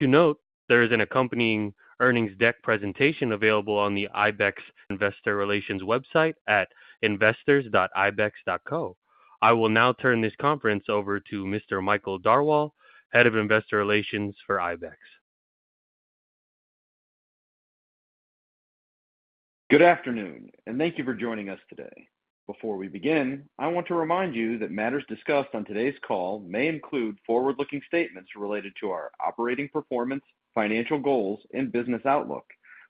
To note, there is an accompanying earnings deck presentation available on the Ibex Investor Relations website at investors.ibex.co. I will now turn this conference over to Mr. Michael Darwal, Head of Investor Relations for Ibex. Good afternoon, and thank you for joining us today. Before we begin, I want to remind you that matters discussed on today's call may include forward-looking statements related to our operating performance, financial goals, and business outlook,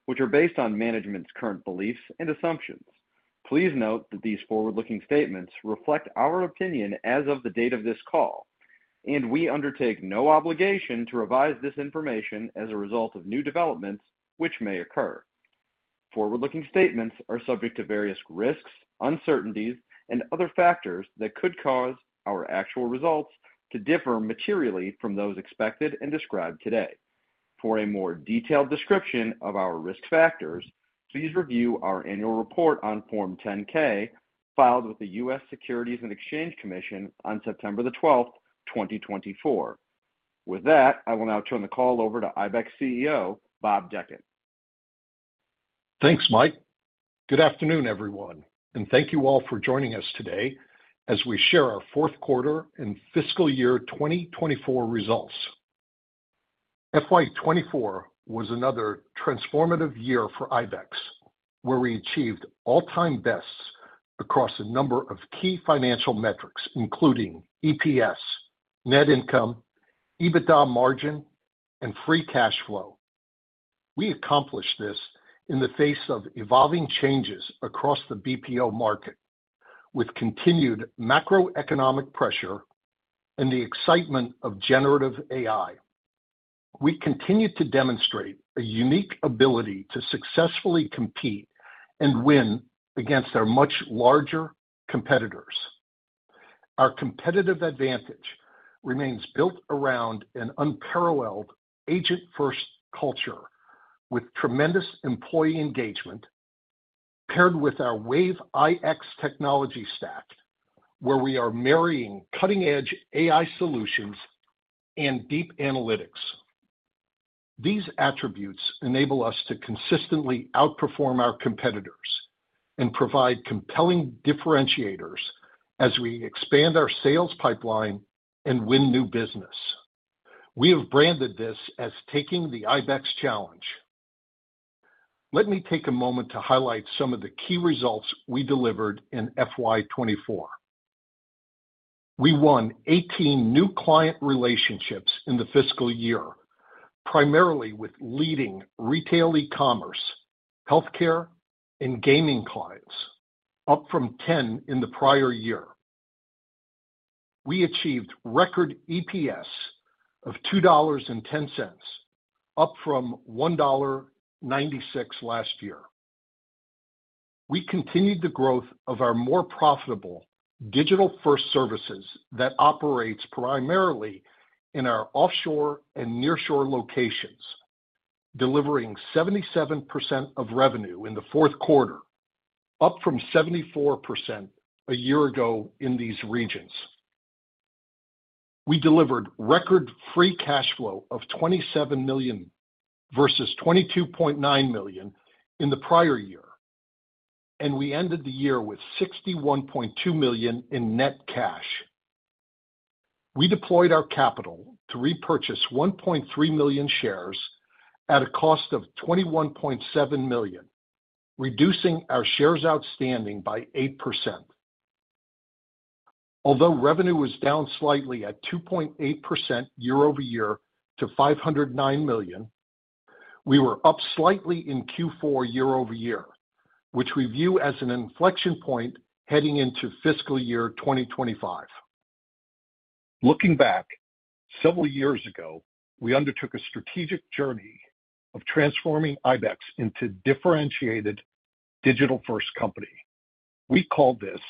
which are based on management's current beliefs and assumptions. Please note that these forward-looking statements reflect our opinion as of the date of this call, and we undertake no obligation to revise this information as a result of new developments which may occur. Forward-looking statements are subject to various risks, uncertainties, and other factors that could cause our actual results to differ materially from those expected and described today. For a more detailed description of our risk factors, please review our annual report on Form 10-K, filed with the U.S. Securities and Exchange Commission on September the twelfth, twenty twenty-four. With that, I will now turn the call over to Ibex CEO, Bob Dechant. Thanks, Mike. Good afternoon, everyone, and thank you all for joining us today as we share our fourth quarter and fiscal year twenty twenty-four results. FY twenty-four was another transformative year for Ibex, where we achieved all-time bests across a number of key financial metrics, including EPS, net income, EBITDA margin, and free cash flow. We accomplished this in the face of evolving changes across the BPO market, with continued macroeconomic pressure and the excitement of generative AI. We continued to demonstrate a unique ability to successfully compete and win against our much larger competitors. Our competitive advantage remains built around an unparalleled agent-first culture with tremendous employee engagement, paired with our Wave iX technology stack, where we are marrying cutting-edge AI solutions and deep analytics. These attributes enable us to consistently outperform our competitors and provide compelling differentiators as we expand our sales pipeline and win new business. We have branded this as taking the Ibex Challenge. Let me take a moment to highlight some of the key results we delivered in FY 2024. We won 18 new client relationships in the fiscal year, primarily with leading retail, e-commerce, healthcare, and gaming clients, up from 10 in the prior year. We achieved record EPS of $2.10, up from $1.96 last year. We continued the growth of our more profitable digital-first services that operates primarily in our offshore and nearshore locations, delivering 77% of revenue in the fourth quarter, up from 74% a year ago in these regions. We delivered record free cash flow of $27 million versus $22.9 million in the prior year, and we ended the year with $61.2 million in net cash. We deployed our capital to repurchase 1.3 million shares at a cost of $21.7 million, reducing our shares outstanding by 8%. Although revenue was down slightly at 2.8% year over year to $509 million, we were up slightly in Q4 year over year, which we view as an inflection point heading into fiscal year 2025. Looking back, several years ago, we undertook a strategic journey of transforming Ibex into differentiated digital-first company. We call this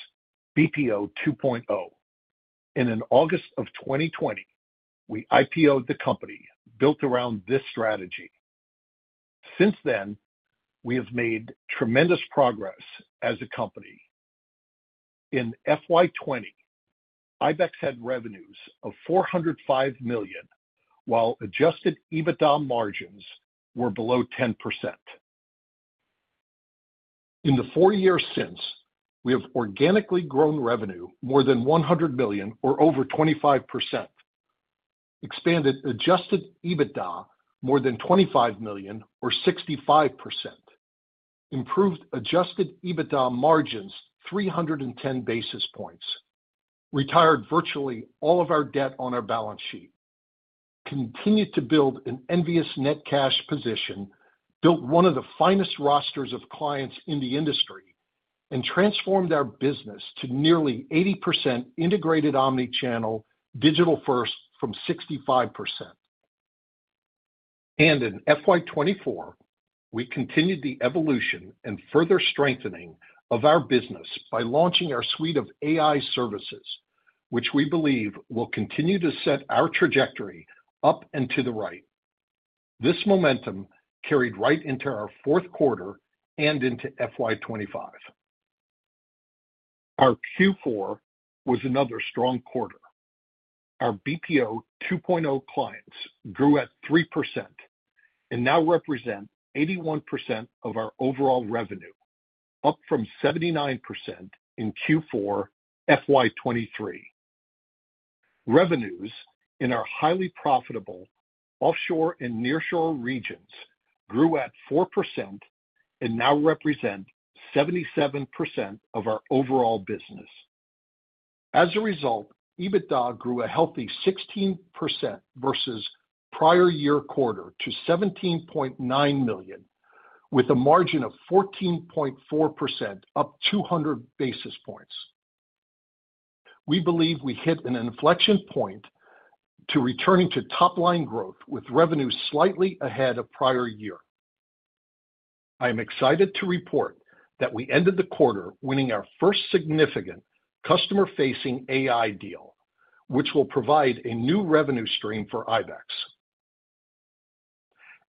BPO 2.0. And in August of 2020, we IPO'd the company built around this strategy. Since then, we have made tremendous progress as a company. In FY 2020, Ibex had revenues of $405 million, while Adjusted EBITDA margins were below 10%. In the four years since, we have organically grown revenue more than $100 million or over 25%, expanded Adjusted EBITDA more than $25 million or 65%, improved Adjusted EBITDA margins 310 basis points, retired virtually all of our debt on our balance sheet, continued to build an envious net cash position, built one of the finest rosters of clients in the industry, and transformed our business to nearly 80% integrated omni-channel digital first from 65%. And in FY 2024, we continued the evolution and further strengthening of our business by launching our suite of AI services, which we believe will continue to set our trajectory up and to the right. This momentum carried right into our fourth quarter and into FY 2025.... Our Q4 was another strong quarter. Our BPO 2.0 clients grew at 3% and now represent 81% of our overall revenue, up from 79% in Q4 FY 2023. Revenues in our highly profitable offshore and nearshore regions grew at 4% and now represent 77% of our overall business. As a result, EBITDA grew a healthy 16% versus prior year quarter to $17.9 million, with a margin of 14.4%, up 200 basis points. We believe we hit an inflection point to returning to top-line growth, with revenue slightly ahead of prior year. I am excited to report that we ended the quarter winning our first significant customer-facing AI deal, which will provide a new revenue stream for Ibex.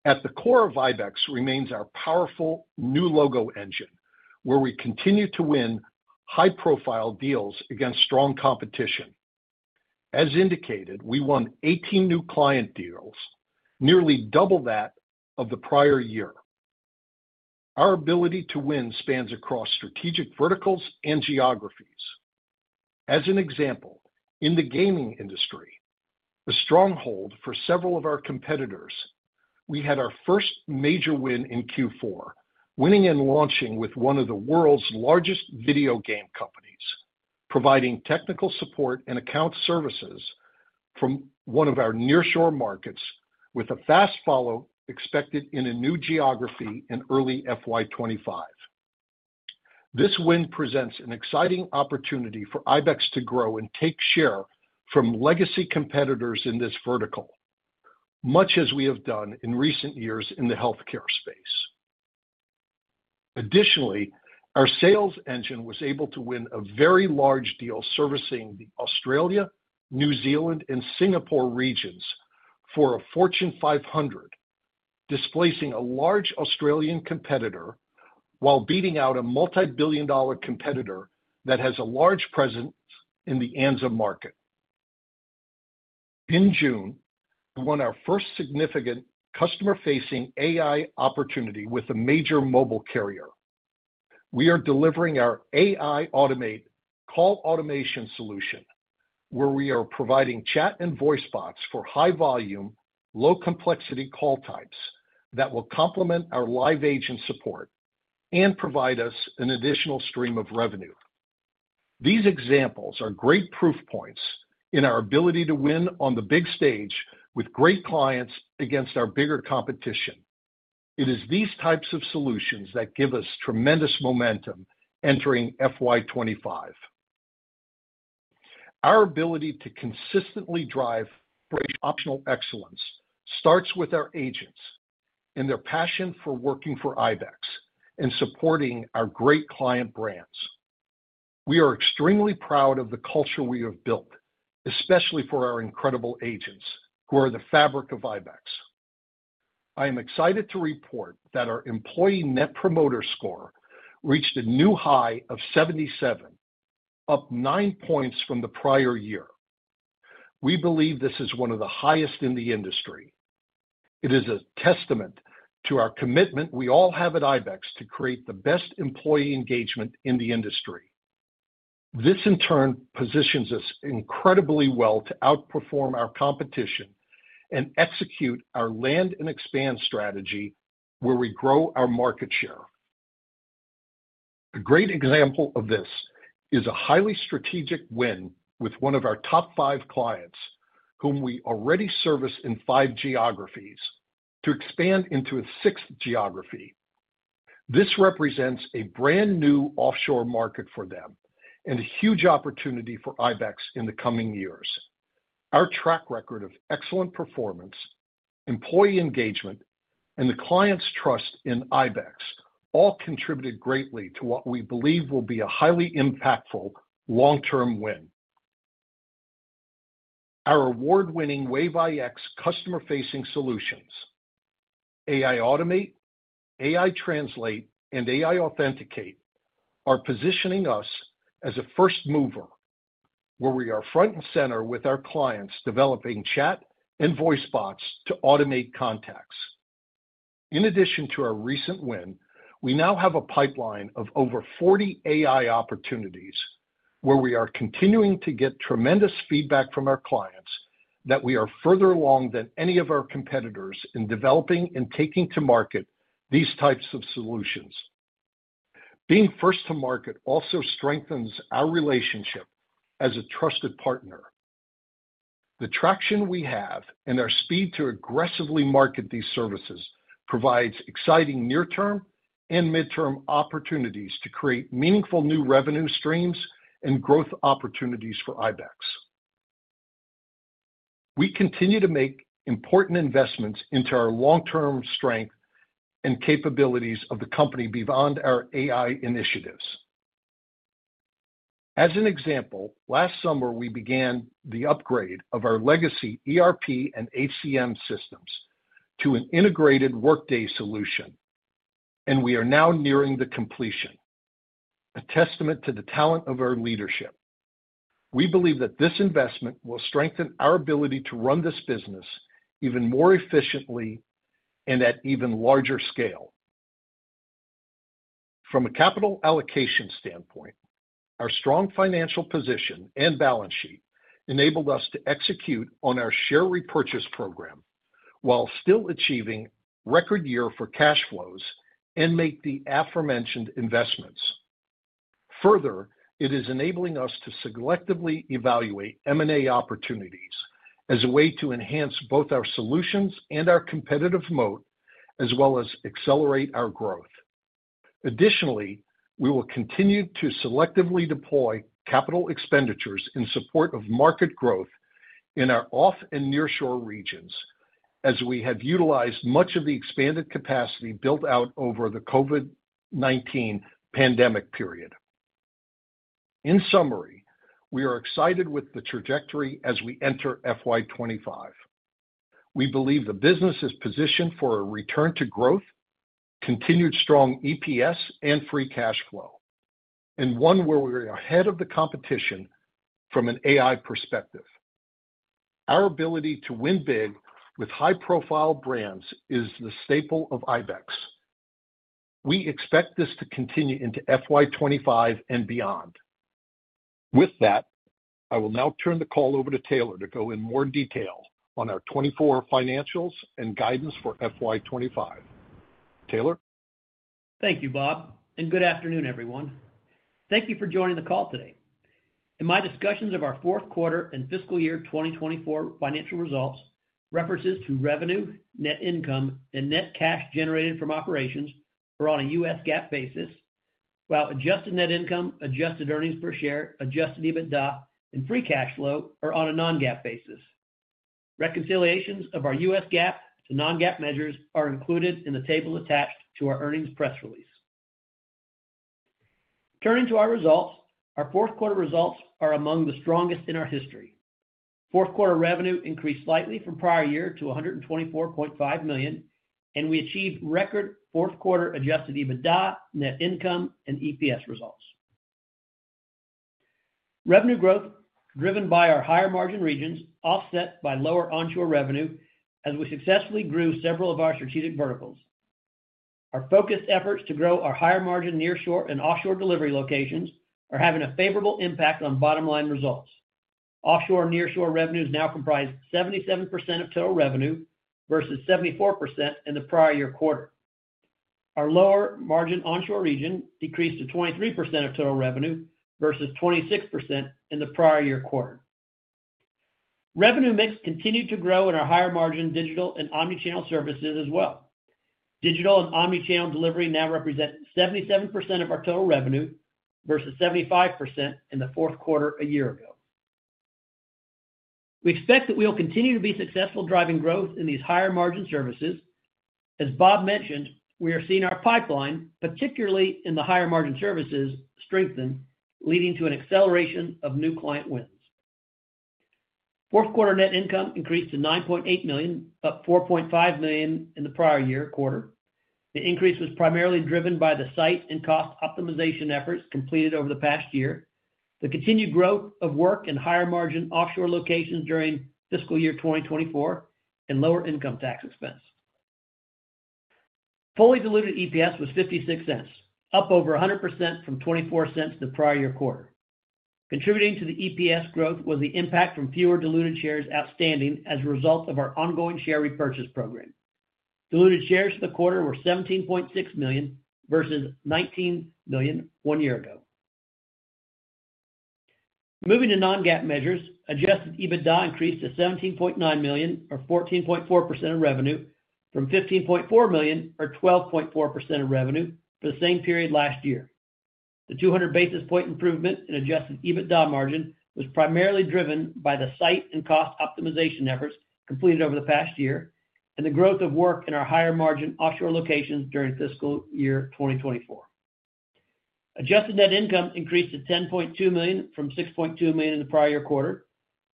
At the core of Ibex remains our powerful new logo engine, where we continue to win high-profile deals against strong competition. As indicated, we won 18 new client deals, nearly double that of the prior year. Our ability to win spans across strategic verticals and geographies. As an example, in the gaming industry, a stronghold for several of our competitors, we had our first major win in Q4, winning and launching with one of the world's largest video game companies, providing technical support and account services from one of our nearshore markets with a fast follow expected in a new geography in early FY 2025. This win presents an exciting opportunity for Ibex to grow and take share from legacy competitors in this vertical, much as we have done in recent years in the healthcare space. Additionally, our sales engine was able to win a very large deal servicing the Australia, New Zealand and Singapore regions for a Fortune 500, displacing a large Australian competitor while beating out a multi-billion dollar competitor that has a large presence in the ANZ market. In June, we won our first significant customer-facing AI opportunity with a major mobile carrier. We are delivering our AI Automate call automation solution, where we are providing chat and voice bots for high volume, low complexity call types that will complement our live agent support and provide us an additional stream of revenue. These examples are great proof points in our ability to win on the big stage with great clients against our bigger competition. It is these types of solutions that give us tremendous momentum entering FY 2025. Our ability to consistently drive operational excellence starts with our agents and their passion for working for Ibex and supporting our great client brands. We are extremely proud of the culture we have built, especially for our incredible agents who are the fabric of Ibex. I am excited to report that our employee Net Promoter Score reached a new high of seventy-seven, up nine points from the prior year. We believe this is one of the highest in the industry. It is a testament to our commitment we all have at Ibex to create the best employee engagement in the industry. This, in turn, positions us incredibly well to outperform our competition and execute our land and expand strategy, where we grow our market share. A great example of this is a highly strategic win with one of our top five clients, whom we already service in five geographies, to expand into a sixth geography. This represents a brand-new offshore market for them and a huge opportunity for Ibex in the coming years. Our track record of excellent performance, employee engagement and the client's trust in Ibex all contributed greatly to what we believe will be a highly impactful long-term win. Our award-winning Wave iX customer-facing solutions, AI Automate, AI Translate and AI Authenticate, are positioning us as a first mover, where we are front and center with our clients, developing chat and voice bots to automate contacts. In addition to our recent win, we now have a pipeline of over 40 AI opportunities, where we are continuing to get tremendous feedback from our clients that we are further along than any of our competitors in developing and taking to market these types of solutions. Being first to market also strengthens our relationship as a trusted partner. The traction we have and our speed to aggressively market these services provides exciting near-term and midterm opportunities to create meaningful new revenue streams and growth opportunities for Ibex. We continue to make important investments into our long-term strength and capabilities of the company beyond our AI initiatives. As an example, last summer, we began the upgrade of our legacy ERP and HCM systems to an integrated Workday solution, and we are now nearing the completion, a testament to the talent of our leadership. We believe that this investment will strengthen our ability to run this business even more efficiently and at even larger scale. From a capital allocation standpoint, our strong financial position and balance sheet enabled us to execute on our share repurchase program while still achieving record year for cash flows and make the aforementioned investments. Further, it is enabling us to selectively evaluate M&A opportunities as a way to enhance both our solutions and our competitive moat, as well as accelerate our growth. Additionally, we will continue to selectively deploy capital expenditures in support of market growth in our off and nearshore regions, as we have utilized much of the expanded capacity built out over the COVID-19 pandemic period. In summary, we are excited with the trajectory as we enter FY 2025. We believe the business is positioned for a return to growth, continued strong EPS and free cash flow, and one where we are ahead of the competition from an AI perspective. Our ability to win big with high-profile brands is the staple of Ibex. We expect this to continue into FY twenty-five and beyond. With that, I will now turn the call over to Taylor to go in more detail on our twenty-four financials and guidance for FY twenty-five. Taylor? Thank you, Bob, and good afternoon, everyone. Thank you for joining the call today. In my discussions of our fourth quarter and fiscal year twenty-twenty-four financial results, references to revenue, net income and net cash generated from operations are on a U.S. GAAP basis, while adjusted net income, adjusted earnings per share, adjusted EBITDA and free cash flow are on a non-GAAP basis. Reconciliations of our U.S. GAAP to non-GAAP measures are included in the table attached to our earnings press release. Turning to our results. Our fourth quarter results are among the strongest in our history. Fourth quarter revenue increased slightly from prior year to $124.5 million, and we achieved record fourth quarter adjusted EBITDA, net income and EPS results. Revenue growth, driven by our higher margin regions, offset by lower onshore revenue as we successfully grew several of our strategic verticals. Our focused efforts to grow our higher margin nearshore and offshore delivery locations are having a favorable impact on bottom line results. Offshore and nearshore revenues now comprise 77% of total revenue versus 74% in the prior year quarter. Our lower margin onshore region decreased to 23% of total revenue versus 26% in the prior year quarter. Revenue mix continued to grow in our higher margin digital and omnichannel services as well. Digital and omnichannel delivery now represent 77% of our total revenue versus 75% in the fourth quarter a year ago. We expect that we will continue to be successful driving growth in these higher margin services. As Bob mentioned, we are seeing our pipeline, particularly in the higher margin services, strengthen, leading to an acceleration of new client wins. Fourth quarter net income increased to $9.8 million, up $4.5 million in the prior year quarter. The increase was primarily driven by the site and cost optimization efforts completed over the past year, the continued growth of work in higher margin offshore locations during fiscal year 2024, and lower income tax expense. Fully diluted EPS was $0.56, up over 100% from $0.24 the prior year quarter. Contributing to the EPS growth was the impact from fewer diluted shares outstanding as a result of our ongoing share repurchase program. Diluted shares for the quarter were 17.6 million versus 19 million one year ago. Moving to non-GAAP measures, adjusted EBITDA increased to $17.9 million or 14.4% of revenue from $15.4 million or 12.4% of revenue for the same period last year. The 200 basis point improvement in adjusted EBITDA margin was primarily driven by the site and cost optimization efforts completed over the past year and the growth of work in our higher margin offshore locations during fiscal year 2024. Adjusted net income increased to $10.2 million from $6.2 million in the prior year quarter.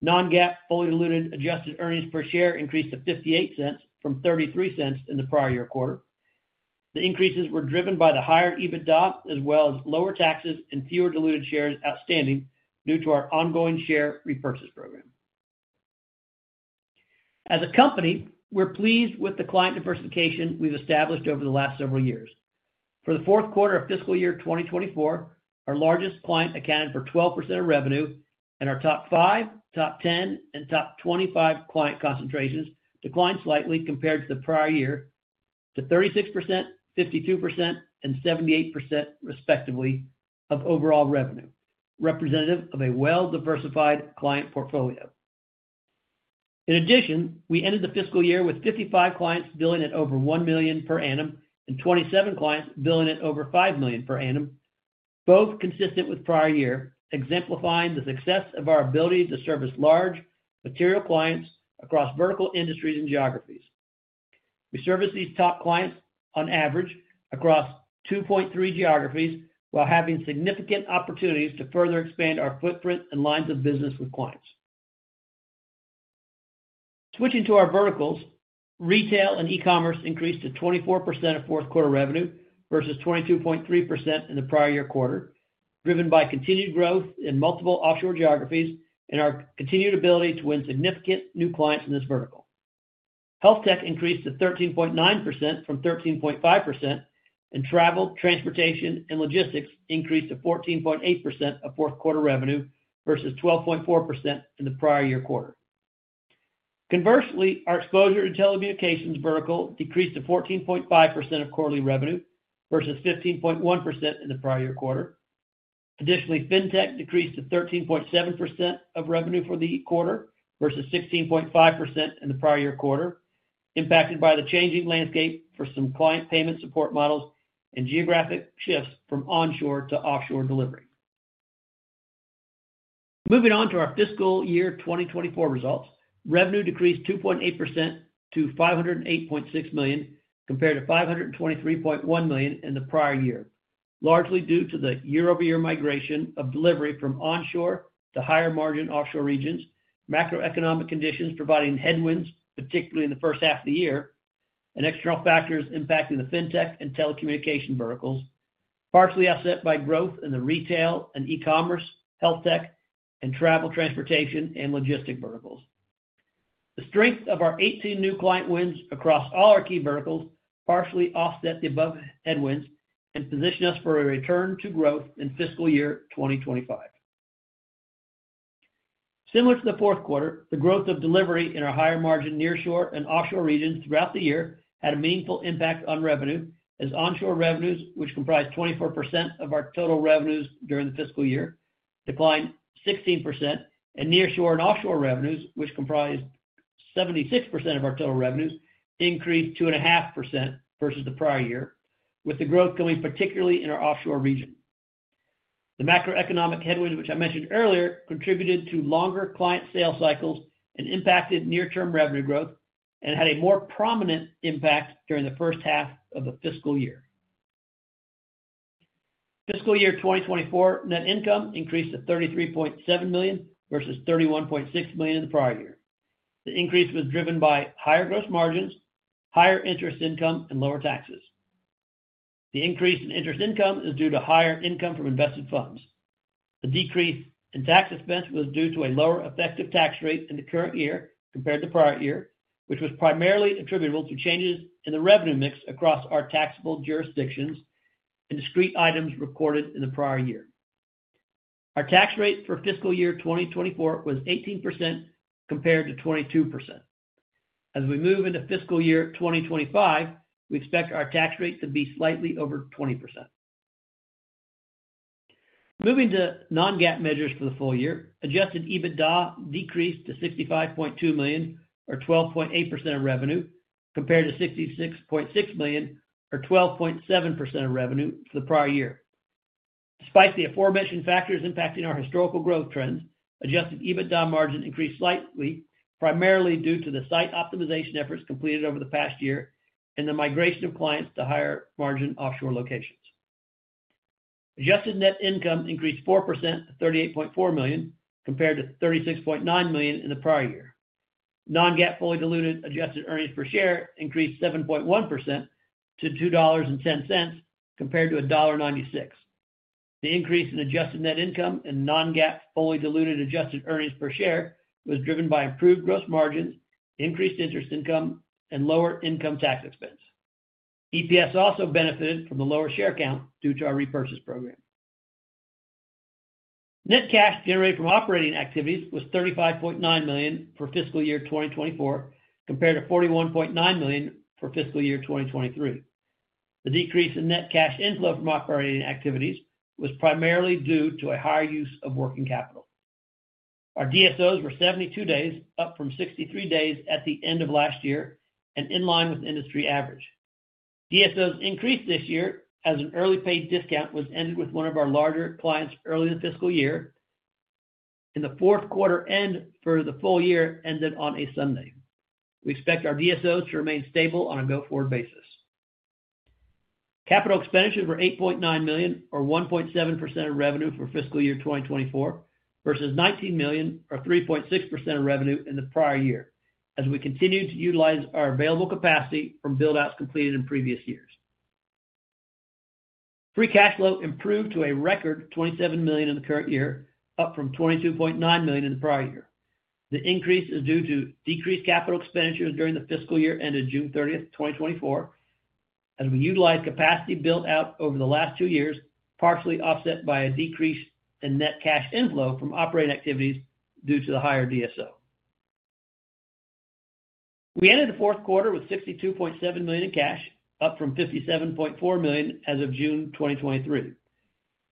Non-GAAP, fully diluted adjusted earnings per share increased to $0.58 from $0.33 in the prior year quarter. The increases were driven by the higher EBITDA, as well as lower taxes and fewer diluted shares outstanding due to our ongoing share repurchase program. As a company, we're pleased with the client diversification we've established over the last several years. For the fourth quarter of fiscal year 2024, our largest client accounted for 12% of revenue, and our top five, top ten, and top twenty-five client concentrations declined slightly compared to the prior year to 36%, 52%, and 78%, respectively, of overall revenue, representative of a well-diversified client portfolio. In addition, we ended the fiscal year with 55 clients billing at over $1 million per annum and 27 clients billing at over $5 million per annum, both consistent with prior year, exemplifying the success of our ability to service large material clients across vertical industries and geographies. We service these top clients on average across 2.3 geographies, while having significant opportunities to further expand our footprint and lines of business with clients. Switching to our verticals, retail and e-commerce increased to 24% of fourth quarter revenue, versus 22.3% in the prior year quarter, driven by continued growth in multiple offshore geographies and our continued ability to win significant new clients in this vertical. Health tech increased to 13.9% from 13.5%, and travel, transportation, and logistics increased to 14.8% of fourth quarter revenue versus 12.4% in the prior year quarter. Conversely, our exposure to telecommunications vertical decreased to 14.5% of quarterly revenue, versus 15.1% in the prior year quarter. Additionally, Fintech decreased to 13.7% of revenue for the quarter, versus 16.5% in the prior year quarter, impacted by the changing landscape for some client payment support models and geographic shifts from onshore to offshore delivery. Moving on to our fiscal year 2024 results, revenue decreased 2.8% to $508.6 million, compared to $523.1 million in the prior year, largely due to the year-over-year migration of delivery from onshore to higher-margin offshore regions, macroeconomic conditions providing headwinds, particularly in the first half of the year, and external factors impacting the Fintech and telecommunication verticals, partially offset by growth in the retail and e-commerce, health tech, and travel, transportation, and logistics verticals. The strength of our 18 new client wins across all our key verticals partially offset the above headwinds and position us for a return to growth in fiscal year 2025. Similar to the fourth quarter, the growth of delivery in our higher-margin nearshore and offshore regions throughout the year had a meaningful impact on revenue, as onshore revenues, which comprised 24% of our total revenues during the fiscal year, declined 16%, and nearshore and offshore revenues, which comprised 76% of our total revenues, increased 2.5% versus the prior year, with the growth coming particularly in our offshore region. The macroeconomic headwinds, which I mentioned earlier, contributed to longer client sales cycles and impacted near-term revenue growth and had a more prominent impact during the first half of the fiscal year. Fiscal year 2024 net income increased to $33.7 million versus $31.6 million in the prior year. The increase was driven by higher gross margins, higher interest income, and lower taxes. The increase in interest income is due to higher income from invested funds. The decrease in tax expense was due to a lower effective tax rate in the current year compared to the prior year, which was primarily attributable to changes in the revenue mix across our taxable jurisdictions and discrete items recorded in the prior year. Our tax rate for fiscal year 2024 was 18% compared to 22%. As we move into fiscal year 2025, we expect our tax rate to be slightly over 20%. Moving to non-GAAP measures for the full year, Adjusted EBITDA decreased to $65.2 million, or 12.8% of revenue, compared to $66.6 million, or 12.7% of revenue, for the prior year. Despite the aforementioned factors impacting our historical growth trends, Adjusted EBITDA margin increased slightly, primarily due to the site optimization efforts completed over the past year and the migration of clients to higher-margin offshore locations. Adjusted net income increased 4% to $38.4 million, compared to $36.9 million in the prior year. Non-GAAP fully diluted adjusted earnings per share increased 7.1% to $2.10, compared to $1.96. The increase in adjusted net income and non-GAAP fully diluted adjusted earnings per share was driven by improved gross margins, increased interest income, and lower income tax expense. EPS also benefited from the lower share count due to our repurchase program. Net cash generated from operating activities was $35.9 million for fiscal year 2024, compared to $41.9 million for fiscal year 2023. The decrease in net cash inflow from operating activities was primarily due to a higher use of working capital. Our DSOs were 72 days, up from 63 days at the end of last year, and in line with industry average. DSOs increased this year as an early pay discount was ended with one of our larger clients early in the fiscal year, and the fourth quarter end for the full year ended on a Sunday. We expect our DSOs to remain stable on a go-forward basis. Capital expenditures were $8.9 million, or 1.7% of revenue, for fiscal year 2024, versus $19 million, or 3.6% of revenue, in the prior year, as we continued to utilize our available capacity from build-outs completed in previous years. Free cash flow improved to a record $27 million in the current year, up from $22.9 million in the prior year. The increase is due to decreased capital expenditures during the fiscal year ended June thirtieth, 2024, as we utilized capacity built out over the last two years, partially offset by a decrease in net cash inflow from operating activities due to the higher DSO. We ended the fourth quarter with $62.7 million in cash, up from $57.4 million as of June 2023.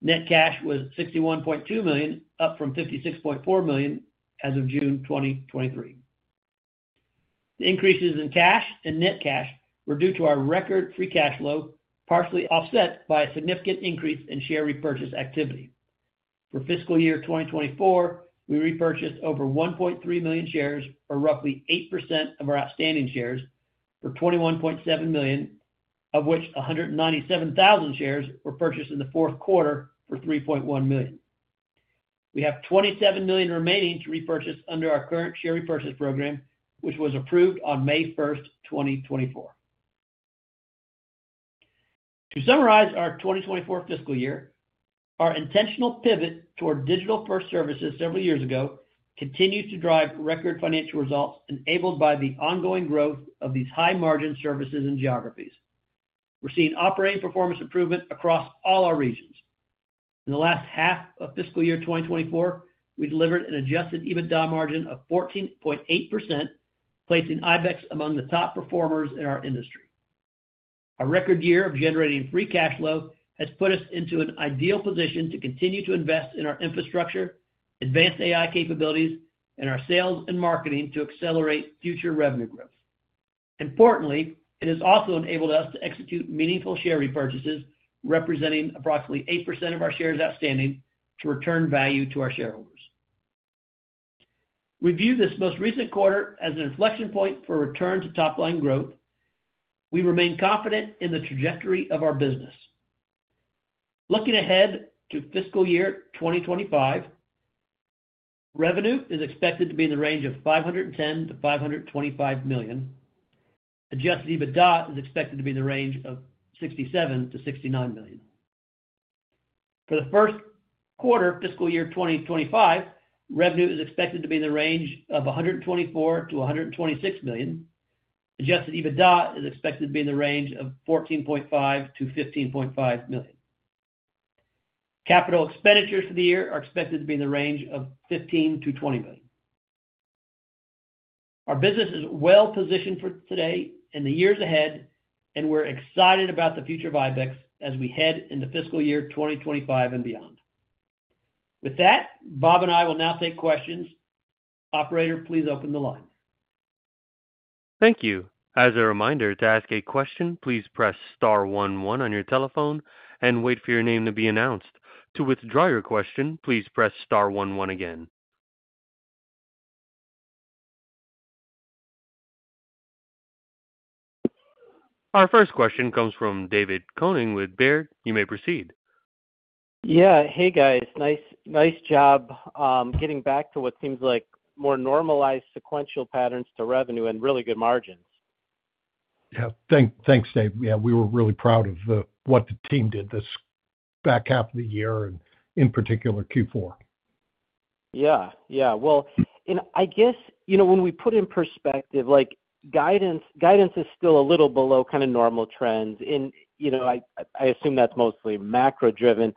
Net cash was $61.2 million, up from $56.4 million as of June 2023. The increases in cash and net cash were due to our record free cash flow, partially offset by a significant increase in share repurchase activity... For fiscal year 2024, we repurchased over 1.3 million shares, or roughly 8% of our outstanding shares, for $21.7 million, of which 197,000 shares were purchased in the fourth quarter for $3.1 million. We have $27 million remaining to repurchase under our current share repurchase program, which was approved on May 1, 2024. To summarize our 2024 fiscal year, our intentional pivot toward digital-first services several years ago continues to drive record financial results, enabled by the ongoing growth of these high-margin services and geographies. We're seeing operating performance improvement across all our regions. In the last half of fiscal year 2024, we delivered an Adjusted EBITDA margin of 14.8%, placing Ibex among the top performers in our industry. A record year of generating free cash flow has put us into an ideal position to continue to invest in our infrastructure, advanced AI capabilities, and our sales and marketing to accelerate future revenue growth. Importantly, it has also enabled us to execute meaningful share repurchases, representing approximately 8% of our shares outstanding, to return value to our shareholders. We view this most recent quarter as an inflection point for return to top-line growth. We remain confident in the trajectory of our business. Looking ahead to fiscal year 2025, revenue is expected to be in the range of $510-$525 million. Adjusted EBITDA is expected to be in the range of $67-$69 million. For the first quarter of fiscal year 2025, revenue is expected to be in the range of $124 million-$126 million. Adjusted EBITDA is expected to be in the range of $14.5 million-$15.5 million. Capital expenditures for the year are expected to be in the range of $15 million-$20 million. Our business is well positioned for today and the years ahead, and we're excited about the future of Ibex as we head into fiscal year 2025 and beyond. With that, Bob and I will now take questions. Operator, please open the line. Thank you. As a reminder, to ask a question, please press star one one on your telephone and wait for your name to be announced. To withdraw your question, please press star one one again. Our first question comes from David Koning with Baird. You may proceed. Yeah. Hey, guys. Nice, nice job, getting back to what seems like more normalized sequential patterns to revenue and really good margins. Yeah, thanks, Dave. Yeah, we were really proud of what the team did this back half of the year and in particular, Q4. Yeah. Yeah. Well, and I guess, you know, when we put in perspective, like, guidance, guidance is still a little below kind of normal trends in. You know, I assume that's mostly macro-driven.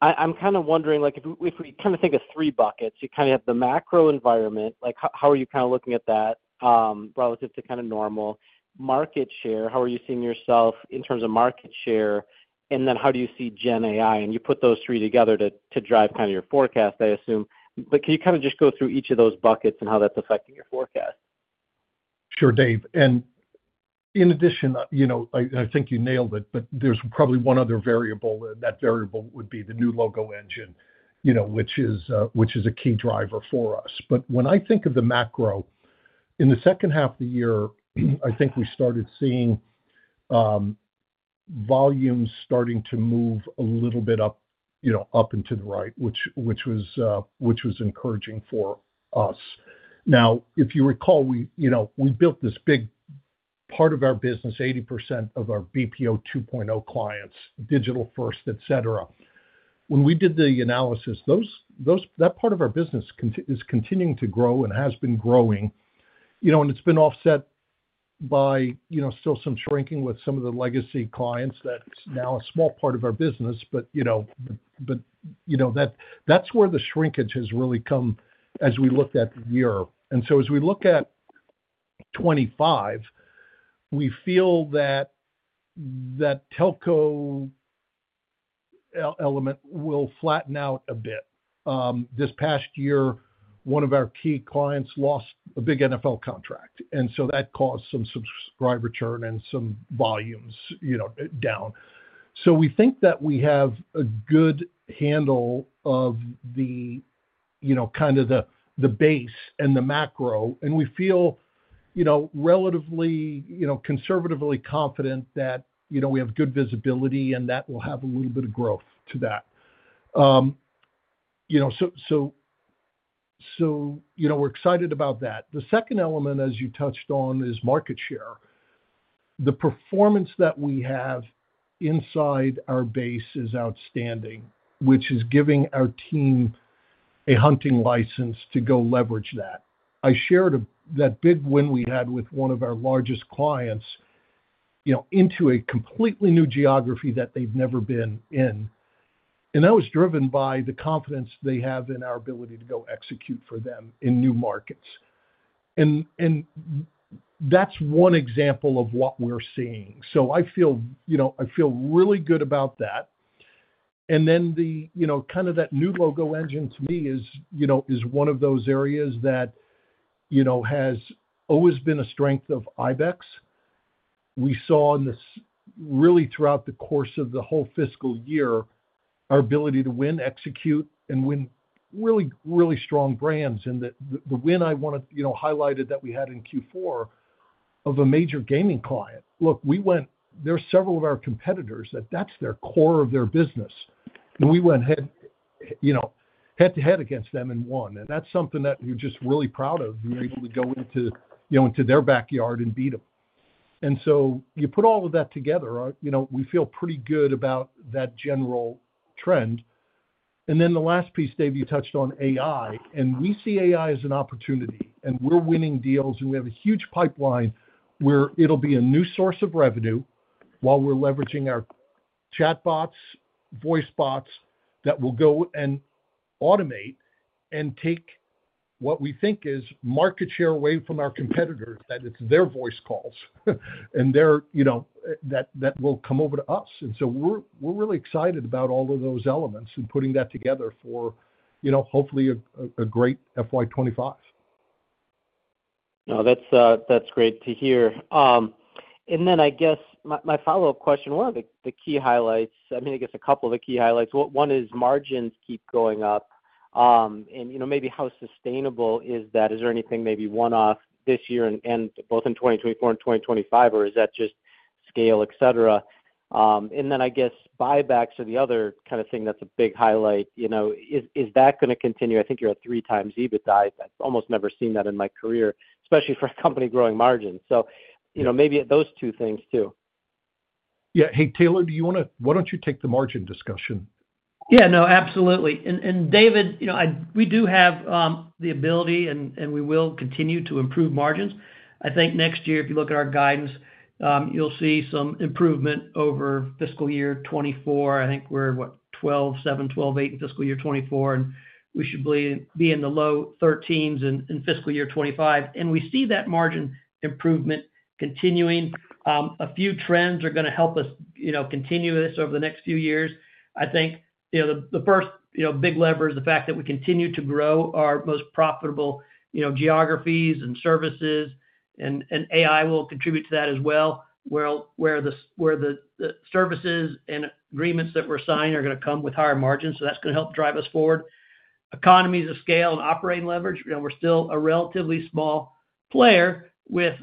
I'm kind of wondering, like, if we kind of think of three buckets, you kind of have the macro environment, like, how are you kind of looking at that relative to kind of normal? Market share, how are you seeing yourself in terms of market share? And then how do you see Gen AI? And you put those three together to drive kind of your forecast, I assume. But can you kind of just go through each of those buckets and how that's affecting your forecast? Sure, Dave. And in addition, you know, I think you nailed it, but there's probably one other variable, and that variable would be the new logo engine, you know, which is a key driver for us. But when I think of the macro, in the second half of the year, I think we started seeing volumes starting to move a little bit up, you know, up and to the right, which was encouraging for us. Now, if you recall, you know, we built this big part of our business, 80% of our BPO 2.0 clients, digital first, et cetera. When we did the analysis, that part of our business is continuing to grow and has been growing, you know, and it's been offset by, you know, still some shrinking with some of the legacy clients that's now a small part of our business. But, you know, that's where the shrinkage has really come as we looked at the year. And so as we look at twenty-five, we feel that that telco element will flatten out a bit. This past year, one of our key clients lost a big NFL contract, and so that caused some subscriber churn and some volumes, you know, down. So we think that we have a good handle of the, you know, kind of the base and the macro, and we feel, you know, relatively, you know, conservatively confident that, you know, we have good visibility and that will have a little bit of growth to that. You know, so, you know, we're excited about that. The second element, as you touched on, is market share. The performance that we have inside our base is outstanding, which is giving our team a hunting license to go leverage that. I shared that big win we had with one of our largest clients, you know, into a completely new geography that they've never been in, and that was driven by the confidence they have in our ability to go execute for them in new markets. And that's one example of what we're seeing. So I feel, you know, I feel really good about that. And then the, you know, kind of that new logo engine to me is, you know, is one of those areas that, you know, has always been a strength of Ibex. We saw in this, really throughout the course of the whole fiscal year, our ability to win, execute, and win really, really strong brands. And the, the win I wanna, you know, highlighted that we had in Q4 of a major gaming client. Look, we went. There are several of our competitors, that that's their core of their business, and we went head, you know, head-to-head against them and won. And that's something that we're just really proud of. We were able to go into, you know, their backyard and beat them. And so you put all of that together, you know, we feel pretty good about that general trend. And then the last piece, Dave, you touched on AI, and we see AI as an opportunity, and we're winning deals, and we have a huge pipeline where it'll be a new source of revenue while we're leveraging our chatbots, voice bots, that will go and automate and take what we think is market share away from our competitors, that it's their voice calls, and their, you know, that will come over to us. And so we're really excited about all of those elements and putting that together for, you know, hopefully a great FY twenty-five. No, that's great to hear, and then I guess my follow-up question, one of the key highlights, I mean, I guess a couple of the key highlights. One is margins keep going up, and you know, maybe how sustainable is that? Is there anything maybe one-off this year and both in twenty twenty-four and twenty twenty-five, or is that just scale, et cetera? And then I guess buybacks are the other kind of thing that's a big highlight. You know, is that gonna continue? I think you're at three times EBITDA. I've almost never seen that in my career, especially for a company growing margins. So, you know, maybe at those two things too. Yeah. Hey, Taylor, do you wanna? Why don't you take the margin discussion? Yeah, no, absolutely. And David, you know, we do have the ability and we will continue to improve margins. I think next year, if you look at our guidance, you'll see some improvement over fiscal year 2024. I think we're what? 12.7, 12.8 in fiscal year 2024, and we should be in the low 13s in fiscal year 2025, and we see that margin improvement continuing. A few trends are gonna help us, you know, continue this over the next few years. I think, you know, the first big lever is the fact that we continue to grow our most profitable, you know, geographies and services, and AI will contribute to that as well, where the services and agreements that we're signing are gonna come with higher margins, so that's gonna help drive us forward. Economies of scale and operating leverage, you know, we're still a relatively small player with,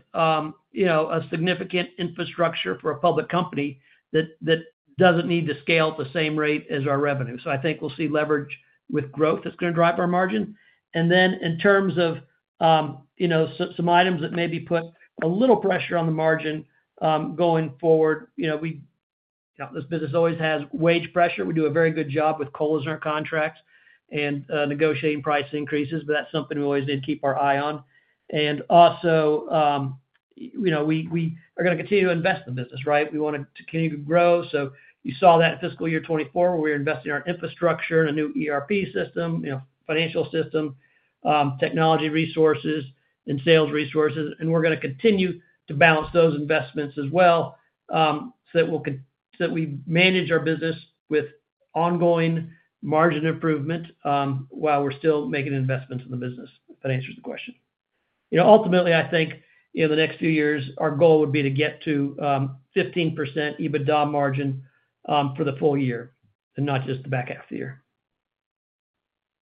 you know, a significant infrastructure for a public company that doesn't need to scale at the same rate as our revenue. So I think we'll see leverage with growth that's gonna drive our margin. And then in terms of, you know, some items that maybe put a little pressure on the margin, going forward, you know, this business always has wage pressure. We do a very good job with COLAs in our contracts and negotiating price increases, but that's something we always need to keep an eye on, and also, you know, we are gonna continue to invest in the business, right? We want it to continue to grow, so you saw that in fiscal year 2024, where we're investing in our infrastructure and a new ERP system, you know, financial system, technology resources and sales resources, and we're gonna continue to balance those investments as well, so that we manage our business with ongoing margin improvement, while we're still making investments in the business, if that answers the question. You know, ultimately, I think, you know, the next few years, our goal would be to get to 15% EBITDA margin for the full year and not just the back half of the year.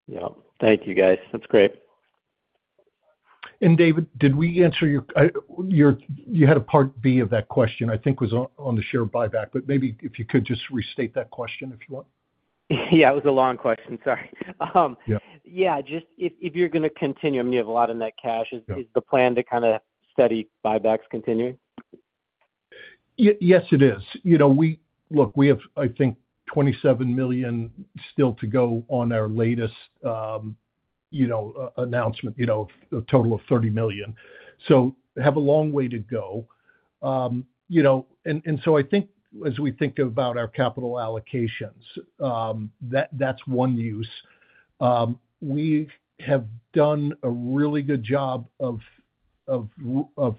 Yeah. Thank you, guys. That's great. David, did we answer your...? You had a part B of that question, I think was on the share buyback, but maybe if you could just restate that question, if you want. Yeah, it was a long question. Sorry. Yeah. Yeah, just if you're gonna continue, I mean, you have a lot of net cash. Yeah. Is the plan to kinda steady buybacks continuing? Yes, it is. You know, we look, we have, I think, $27 million still to go on our latest, you know, announcement, you know, a total of $30 million. So have a long way to go. You know, and so I think as we think about our capital allocations, that's one use. We have done a really good job of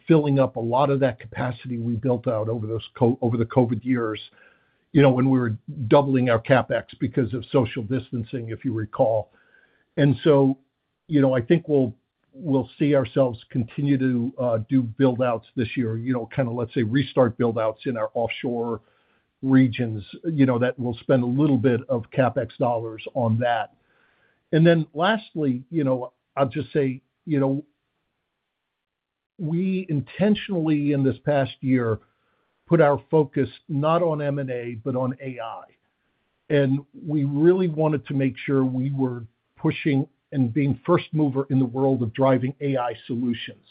filling up a lot of that capacity we built out over those COVID years, you know, when we were doubling our CapEx because of social distancing, if you recall. And so, you know, I think we'll see ourselves continue to do build-outs this year, you know, kinda, let's say, restart build-outs in our offshore regions, you know, that we'll spend a little bit of CapEx dollars on that. And then lastly, you know, I'll just say, you know, we intentionally, in this past year, put our focus not on M&A, but on AI, and we really wanted to make sure we were pushing and being first mover in the world of driving AI solutions.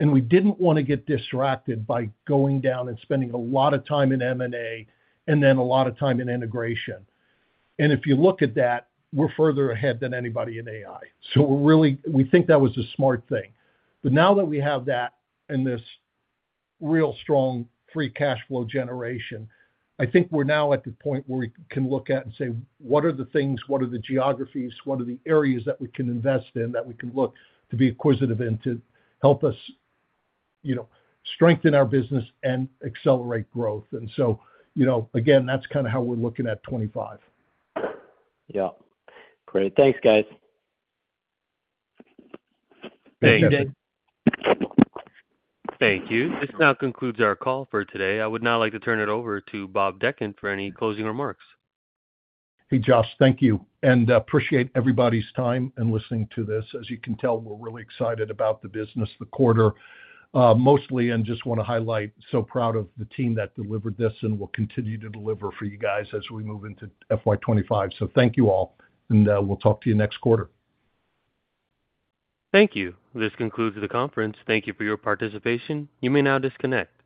And we didn't wanna get distracted by going down and spending a lot of time in M&A, and then a lot of time in integration. And if you look at that, we're further ahead than anybody in AI, so we're really, we think that was a smart thing. But now that we have that and this real strong free cash flow generation, I think we're now at the point where we can look at and say: What are the things? What are the geographies? What are the areas that we can invest in, that we can look to be acquisitive and to help us, you know, strengthen our business and accelerate growth? And so, you know, again, that's kinda how we're looking at 2025. Yeah. Great. Thanks, guys. Thank you. This now concludes our call for today. I would now like to turn it over to Bob Dechant for any closing remarks. Hey, Josh, thank you, and appreciate everybody's time in listening to this. As you can tell, we're really excited about the business, the quarter, mostly, and just want to highlight, so proud of the team that delivered this and will continue to deliver for you guys as we move into FY twenty-five. Thank you all, and we'll talk to you next quarter. Thank you. This concludes the conference. Thank you for your participation. You may now disconnect.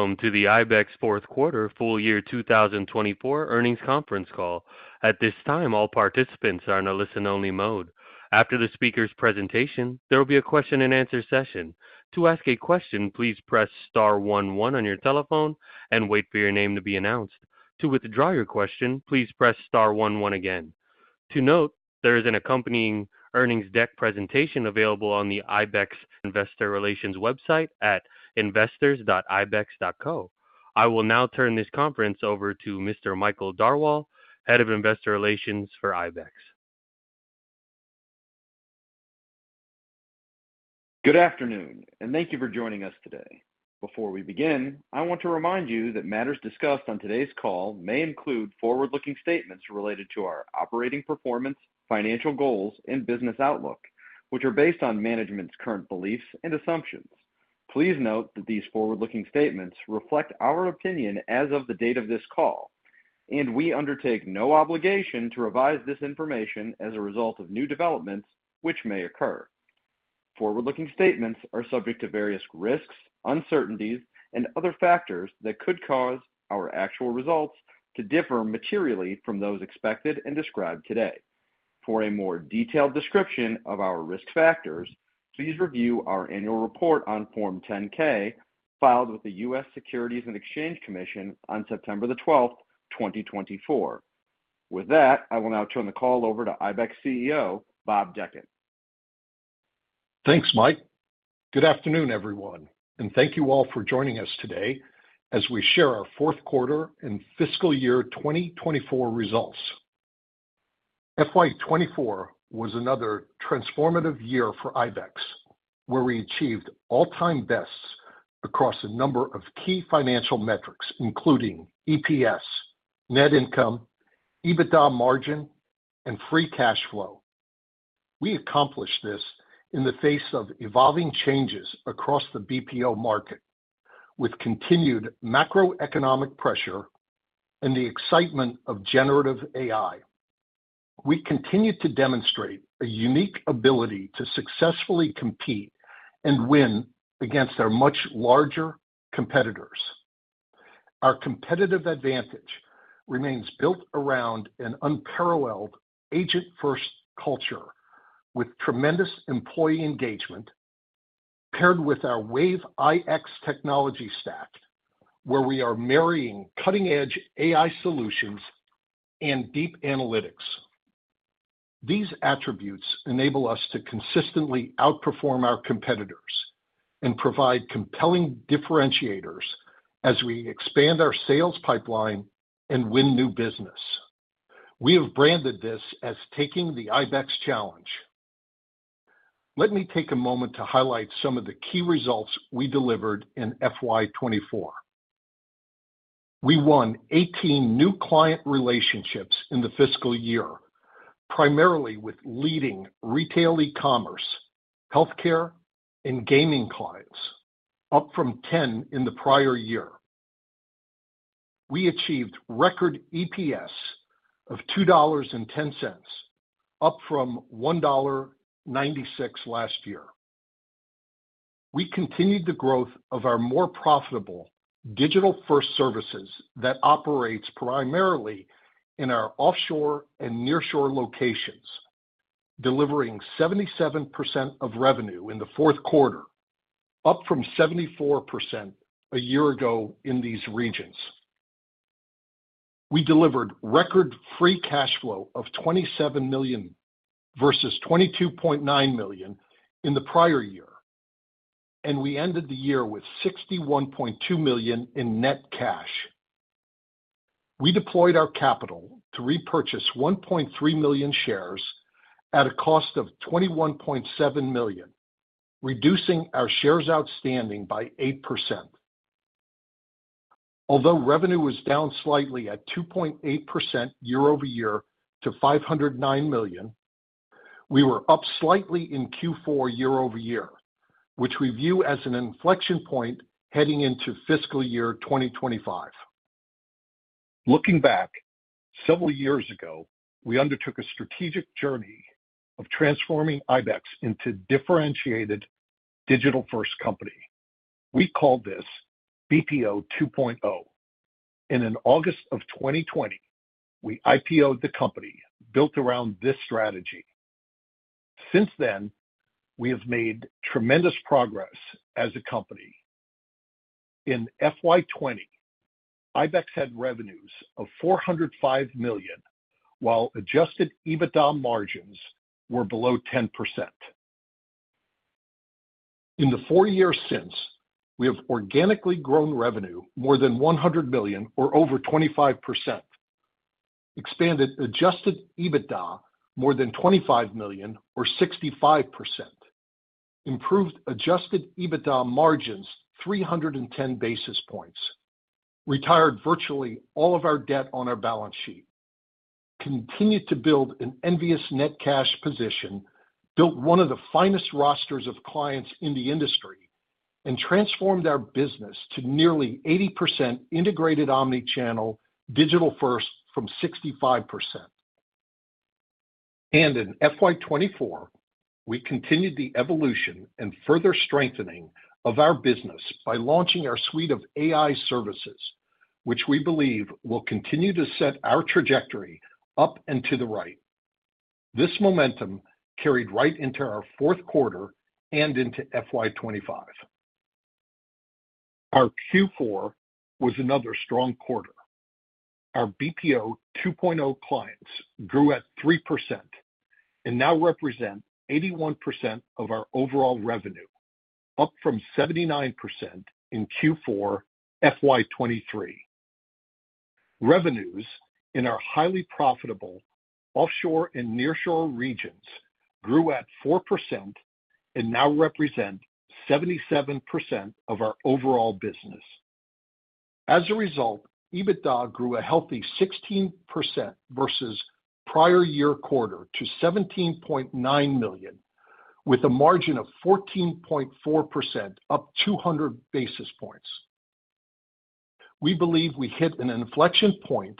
Welcome to the Ibex fourth quarter full year two thousand and twenty-four earnings conference call. At this time, all participants are in a listen-only mode. After the speaker's presentation, there will be a question-and-answer session. To ask a question, please press star one one on your telephone and wait for your name to be announced. To withdraw your question, please press star one one again. To note, there is an accompanying earnings deck presentation available on the Ibex Investor Relations website at investors.ibex.co. I will now turn this conference over to Mr. Michael Darwal, Head of Investor Relations for Ibex. Good afternoon, and thank you for joining us today. Before we begin, I want to remind you that matters discussed on today's call may include forward-looking statements related to our operating performance, financial goals, and business outlook, which are based on management's current beliefs and assumptions. Please note that these forward-looking statements reflect our opinion as of the date of this call, and we undertake no obligation to revise this information as a result of new developments which may occur. Forward-looking statements are subject to various risks, uncertainties, and other factors that could cause our actual results to differ materially from those expected and described today. For a more detailed description of our risk factors, please review our annual report on Form 10-K, filed with the U.S. Securities and Exchange Commission on September the twelfth, twenty twenty-four. With that, I will now turn the call over to Ibex CEO, Bob Dechant. Thanks, Mike. Good afternoon, everyone, and thank you all for joining us today as we share our fourth quarter and fiscal year twenty twenty-four results. FY twenty-four was another transformative year for Ibex, where we achieved all-time bests across a number of key financial metrics, including EPS, net income, EBITDA margin, and free cash flow. We accomplished this in the face of evolving changes across the BPO market, with continued macroeconomic pressure and the excitement of generative AI. We continued to demonstrate a unique ability to successfully compete and win against our much larger competitors. Our competitive advantage remains built around an unparalleled agent-first culture with tremendous employee engagement, paired with our Wave iX technology stack, where we are marrying cutting-edge AI solutions and deep analytics. These attributes enable us to consistently outperform our competitors and provide compelling differentiators as we expand our sales pipeline and win new business. We have branded this as taking the Ibex Challenge. Let me take a moment to highlight some of the key results we delivered in FY 2024. We won eighteen new client relationships in the fiscal year, primarily with leading retail, e-commerce, healthcare, and gaming clients, up from ten in the prior year. We achieved record EPS of $2.10, up from $1.96 last year. We continued the growth of our more profitable digital-first services that operates primarily in our offshore and nearshore locations, delivering 77% of revenue in the fourth quarter, up from 74% a year ago in these regions. We delivered record free cash flow of $27 million versus $22.9 million in the prior year, and we ended the year with $61.2 million in net cash. We deployed our capital to repurchase 1.3 million shares at a cost of $21.7 million, reducing our shares outstanding by 8%. Although revenue was down slightly at 2.8% year over year to $509 million. We were up slightly in Q4 year over year, which we view as an inflection point heading into fiscal year 2025. Looking back, several years ago, we undertook a strategic journey of transforming Ibex into differentiated digital-first company. We call this BPO 2.0, and in August of 2020, we IPO'd the company, built around this strategy. Since then, we have made tremendous progress as a company. In FY 2020, Ibex had revenues of $405 million, while adjusted EBITDA margins were below 10%. In the four years since, we have organically grown revenue more than 100 million or over 25%, expanded Adjusted EBITDA more than 25 million or 65%, improved Adjusted EBITDA margins 310 basis points, retired virtually all of our debt on our balance sheet, continued to build an envious net cash position, built one of the finest rosters of clients in the industry, and transformed our business to nearly 80% integrated omni-channel, digital-first from 65%. And in FY 2024, we continued the evolution and further strengthening of our business by launching our suite of AI services, which we believe will continue to set our trajectory up and to the right. This momentum carried right into our fourth quarter and into FY 2025. Our Q4 was another strong quarter. Our BPO 2.0 clients grew at 3% and now represent 81% of our overall revenue, up from 79% in Q4, FY 2023. Revenues in our highly profitable offshore and nearshore regions grew at 4% and now represent 77% of our overall business. As a result, EBITDA grew a healthy 16% versus prior year quarter to 17.9 million, with a margin of 14.4%, up 200 basis points. We believe we hit an inflection point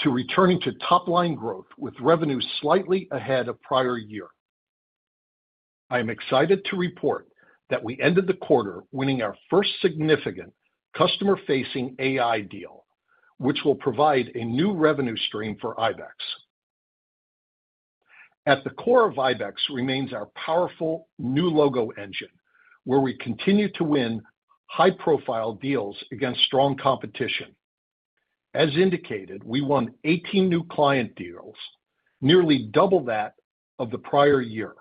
to returning to top line growth, with revenue slightly ahead of prior year. I am excited to report that we ended the quarter winning our first significant customer-facing AI deal, which will provide a new revenue stream for Ibex. At the core of Ibex remains our powerful new logo engine, where we continue to win high-profile deals against strong competition. As indicated, we won 18 new client deals, nearly double that of the prior year.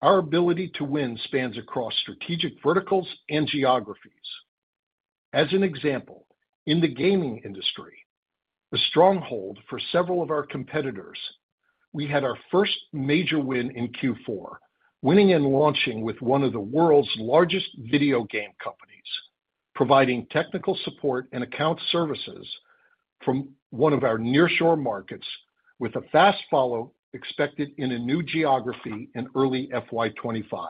Our ability to win spans across strategic verticals and geographies. As an example, in the gaming industry, a stronghold for several of our competitors, we had our first major win in Q4, winning and launching with one of the world's largest video game companies, providing technical support and account services from one of our nearshore markets with a fast follow expected in a new geography in early FY 2025.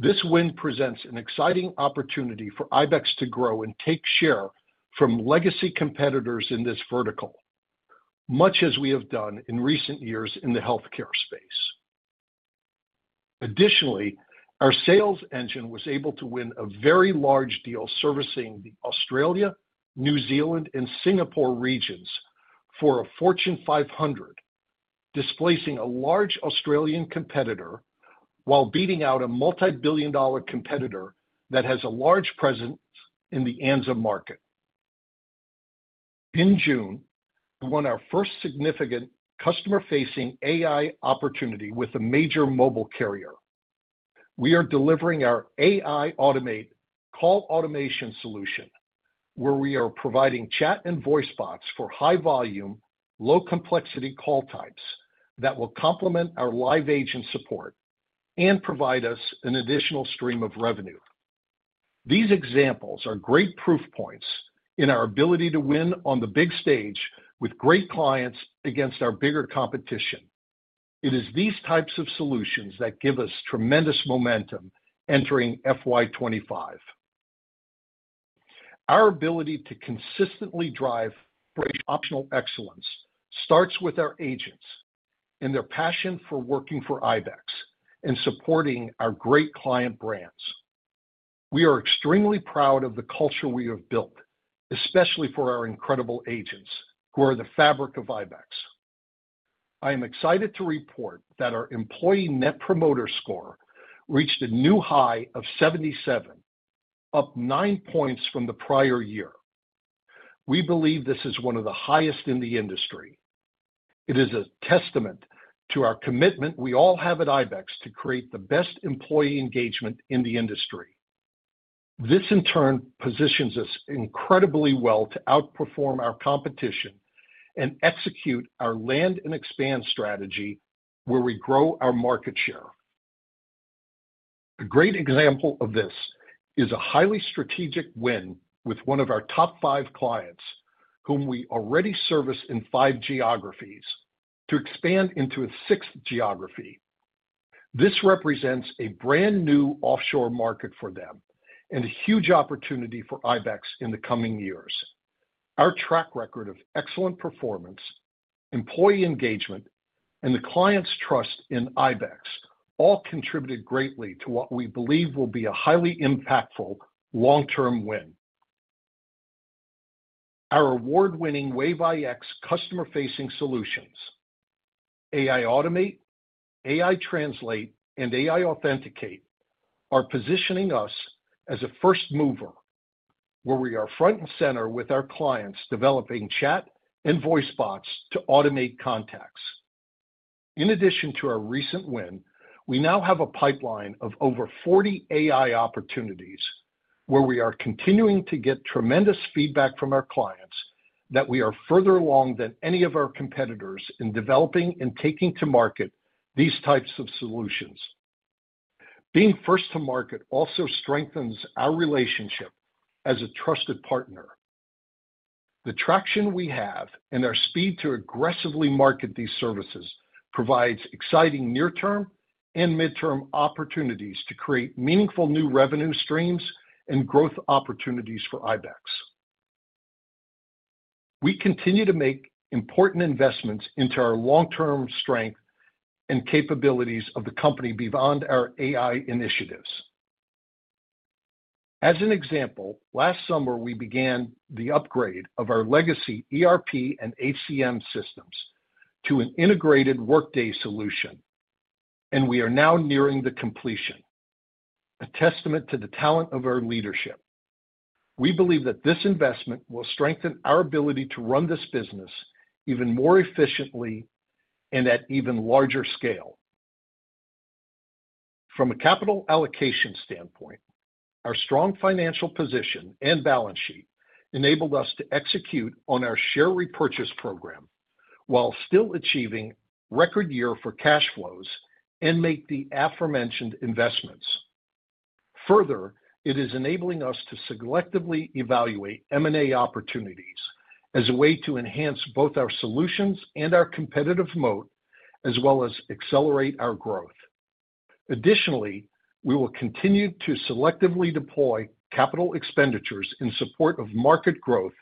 This win presents an exciting opportunity for Ibex to grow and take share from legacy competitors in this vertical, much as we have done in recent years in the healthcare space. Additionally, our sales engine was able to win a very large deal servicing the Australia, New Zealand and Singapore regions for a Fortune 500, displacing a large Australian competitor while beating out a multi-billion-dollar competitor that has a large presence in the ANZ market. In June, we won our first significant customer-facing AI opportunity with a major mobile carrier. We are delivering our AI Automate call automation solution, where we are providing chat and voice bots for high volume, low complexity call types that will complement our live agent support and provide us an additional stream of revenue. These examples are great proof points in our ability to win on the big stage with great clients against our bigger competition. It is these types of solutions that give us tremendous momentum entering FY 2025. Our ability to consistently drive operational excellence starts with our agents and their passion for working for Ibex and supporting our great client brands. We are extremely proud of the culture we have built, especially for our incredible agents who are the fabric of Ibex. I am excited to report that our employee Net Promoter Score reached a new high of 77, up nine points from the prior year. We believe this is one of the highest in the industry. It is a testament to our commitment we all have at Ibex to create the best employee engagement in the industry. This, in turn, positions us incredibly well to outperform our competition and execute our land and expand strategy, where we grow our market share. A great example of this is a highly strategic win with one of our top five clients, whom we already service in five geographies, to expand into a sixth geography. This represents a brand new offshore market for them and a huge opportunity for Ibex in the coming years. Our track record of excellent performance, employee engagement, and the client's trust in Ibex all contributed greatly to what we believe will be a highly impactful long-term win. Our award-winning Wave iX customer-facing solutions, AI Automate, AI Translate, and AI Authenticate, are positioning us as a first mover, where we are front and center with our clients, developing chat and voice bots to automate contacts. In addition to our recent win, we now have a pipeline of over 40 AI opportunities, where we are continuing to get tremendous feedback from our clients that we are further along than any of our competitors in developing and taking to market these types of solutions. Being first to market also strengthens our relationship as a trusted partner. The traction we have and our speed to aggressively market these services provides exciting near-term and midterm opportunities to create meaningful new revenue streams and growth opportunities for Ibex. We continue to make important investments into our long-term strength and capabilities of the company beyond our AI initiatives. As an example, last summer, we began the upgrade of our legacy ERP and HCM systems to an integrated Workday solution, and we are now nearing the completion, a testament to the talent of our leadership. We believe that this investment will strengthen our ability to run this business even more efficiently and at even larger scale. From a capital allocation standpoint, our strong financial position and balance sheet enabled us to execute on our share repurchase program while still achieving record year for cash flows and make the aforementioned investments. Further, it is enabling us to selectively evaluate M&A opportunities as a way to enhance both our solutions and our competitive moat, as well as accelerate our growth. Additionally, we will continue to selectively deploy capital expenditures in support of market growth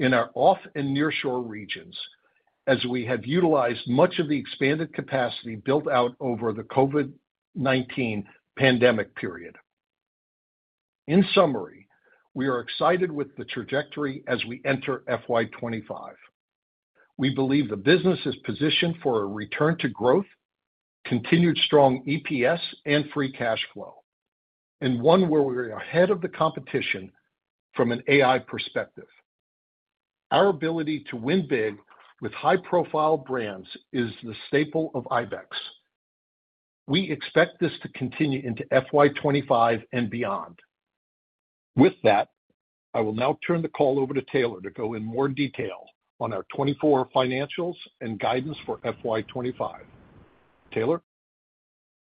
in our offshore and nearshore regions, as we have utilized much of the expanded capacity built out over the COVID-19 pandemic period. In summary, we are excited with the trajectory as we enter FY 2025. We believe the business is positioned for a return to growth, continued strong EPS and free cash flow, and one where we are ahead of the competition from an AI perspective. Our ability to win big with high-profile brands is the staple of Ibex. We expect this to continue into FY 2025 and beyond. With that, I will now turn the call over to Taylor to go in more detail on our 2024 financials and guidance for FY 2025. Taylor?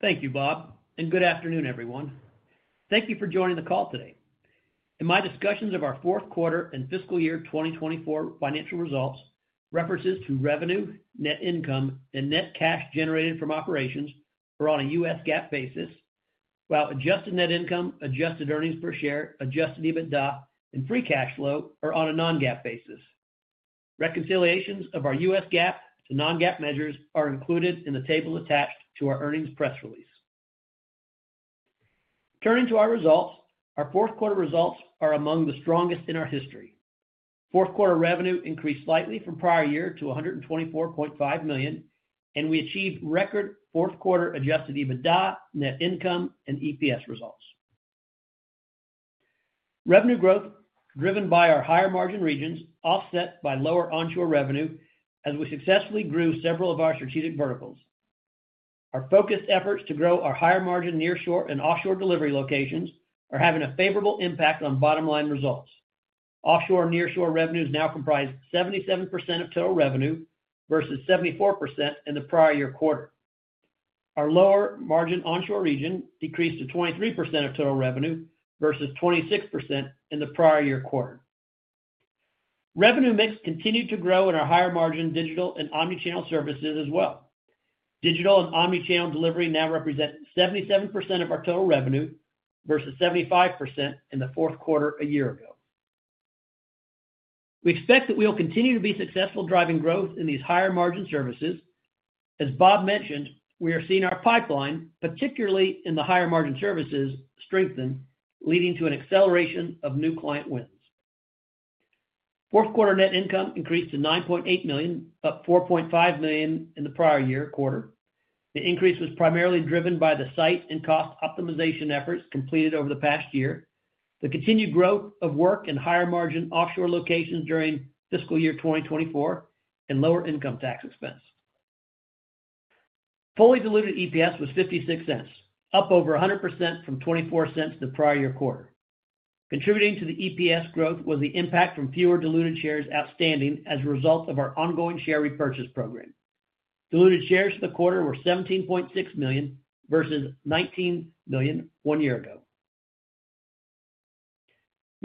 Thank you, Bob, and good afternoon, everyone. Thank you for joining the call today. In my discussions of our fourth quarter and fiscal year 2024 financial results, references to revenue, net income, and net cash generated from operations are on a U.S. GAAP basis, while adjusted net income, adjusted earnings per share, adjusted EBITDA, and free cash flow are on a non-GAAP basis. Reconciliations of our U.S. GAAP to non-GAAP measures are included in the table attached to our earnings press release. Turning to our results, our fourth quarter results are among the strongest in our history. Fourth quarter revenue increased slightly from prior year to $124.5 million, and we achieved record fourth quarter adjusted EBITDA, net income, and EPS results. Revenue growth, driven by our higher-margin regions, offset by lower onshore revenue as we successfully grew several of our strategic verticals. Our focused efforts to grow our higher-margin nearshore and offshore delivery locations are having a favorable impact on bottom-line results. Offshore and nearshore revenues now comprise 77% of total revenue, versus 74% in the prior year quarter. Our lower margin onshore region decreased to 23% of total revenue, versus 26% in the prior year quarter. Revenue mix continued to grow in our higher margin digital and omni-channel services as well. Digital and omni-channel delivery now represent 77% of our total revenue, versus 75% in the fourth quarter a year ago. We expect that we will continue to be successful driving growth in these higher margin services. As Bob mentioned, we are seeing our pipeline, particularly in the higher margin services, strengthen, leading to an acceleration of new client wins. Fourth quarter net income increased to $9.8 million, up $4.5 million in the prior year quarter. The increase was primarily driven by the site and cost optimization efforts completed over the past year, the continued growth of work and higher margin offshore locations during fiscal year 2024, and lower income tax expense. Fully diluted EPS was $0.56, up over 100% from $0.24 the prior year quarter. Contributing to the EPS growth was the impact from fewer diluted shares outstanding as a result of our ongoing share repurchase program. Diluted shares for the quarter were 17.6 million, versus 19 million one year ago.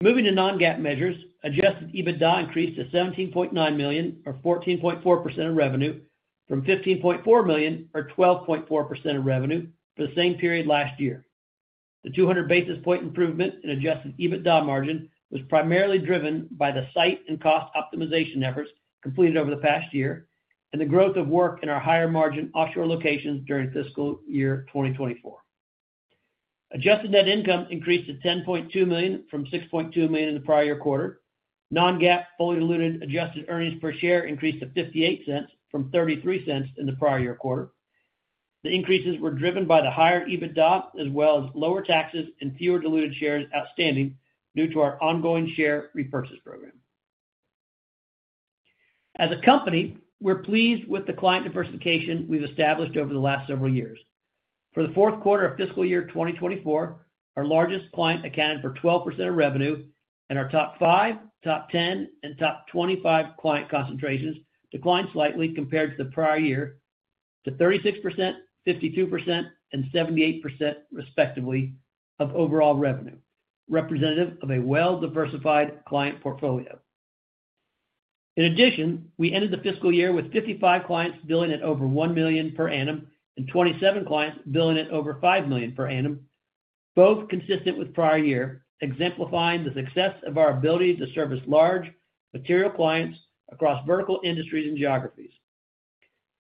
Moving to non-GAAP measures, adjusted EBITDA increased to $17.9 million, or 14.4% of revenue, from $15.4 million, or 12.4% of revenue, for the same period last year. The 200 basis point improvement in adjusted EBITDA margin was primarily driven by the site and cost optimization efforts completed over the past year, and the growth of work in our higher-margin offshore locations during fiscal year 2024. Adjusted net income increased to $10.2 million from $6.2 million in the prior year quarter. Non-GAAP, fully diluted adjusted earnings per share increased to $0.58 from $0.33 in the prior year quarter. The increases were driven by the higher EBITDA, as well as lower taxes and fewer diluted shares outstanding, due to our ongoing share repurchase program. As a company, we're pleased with the client diversification we've established over the last several years. For the fourth quarter of fiscal year 2024, our largest client accounted for 12% of revenue, and our top five, top 10, and top 25 client concentrations declined slightly compared to the prior year to 36%, 52%, and 78%, respectively, of overall revenue, representative of a well-diversified client portfolio. In addition, we ended the fiscal year with 55 clients billing at over $1 million per annum, and 27 clients billing at over $5 million per annum, both consistent with prior year, exemplifying the success of our ability to service large, material clients across vertical industries and geographies.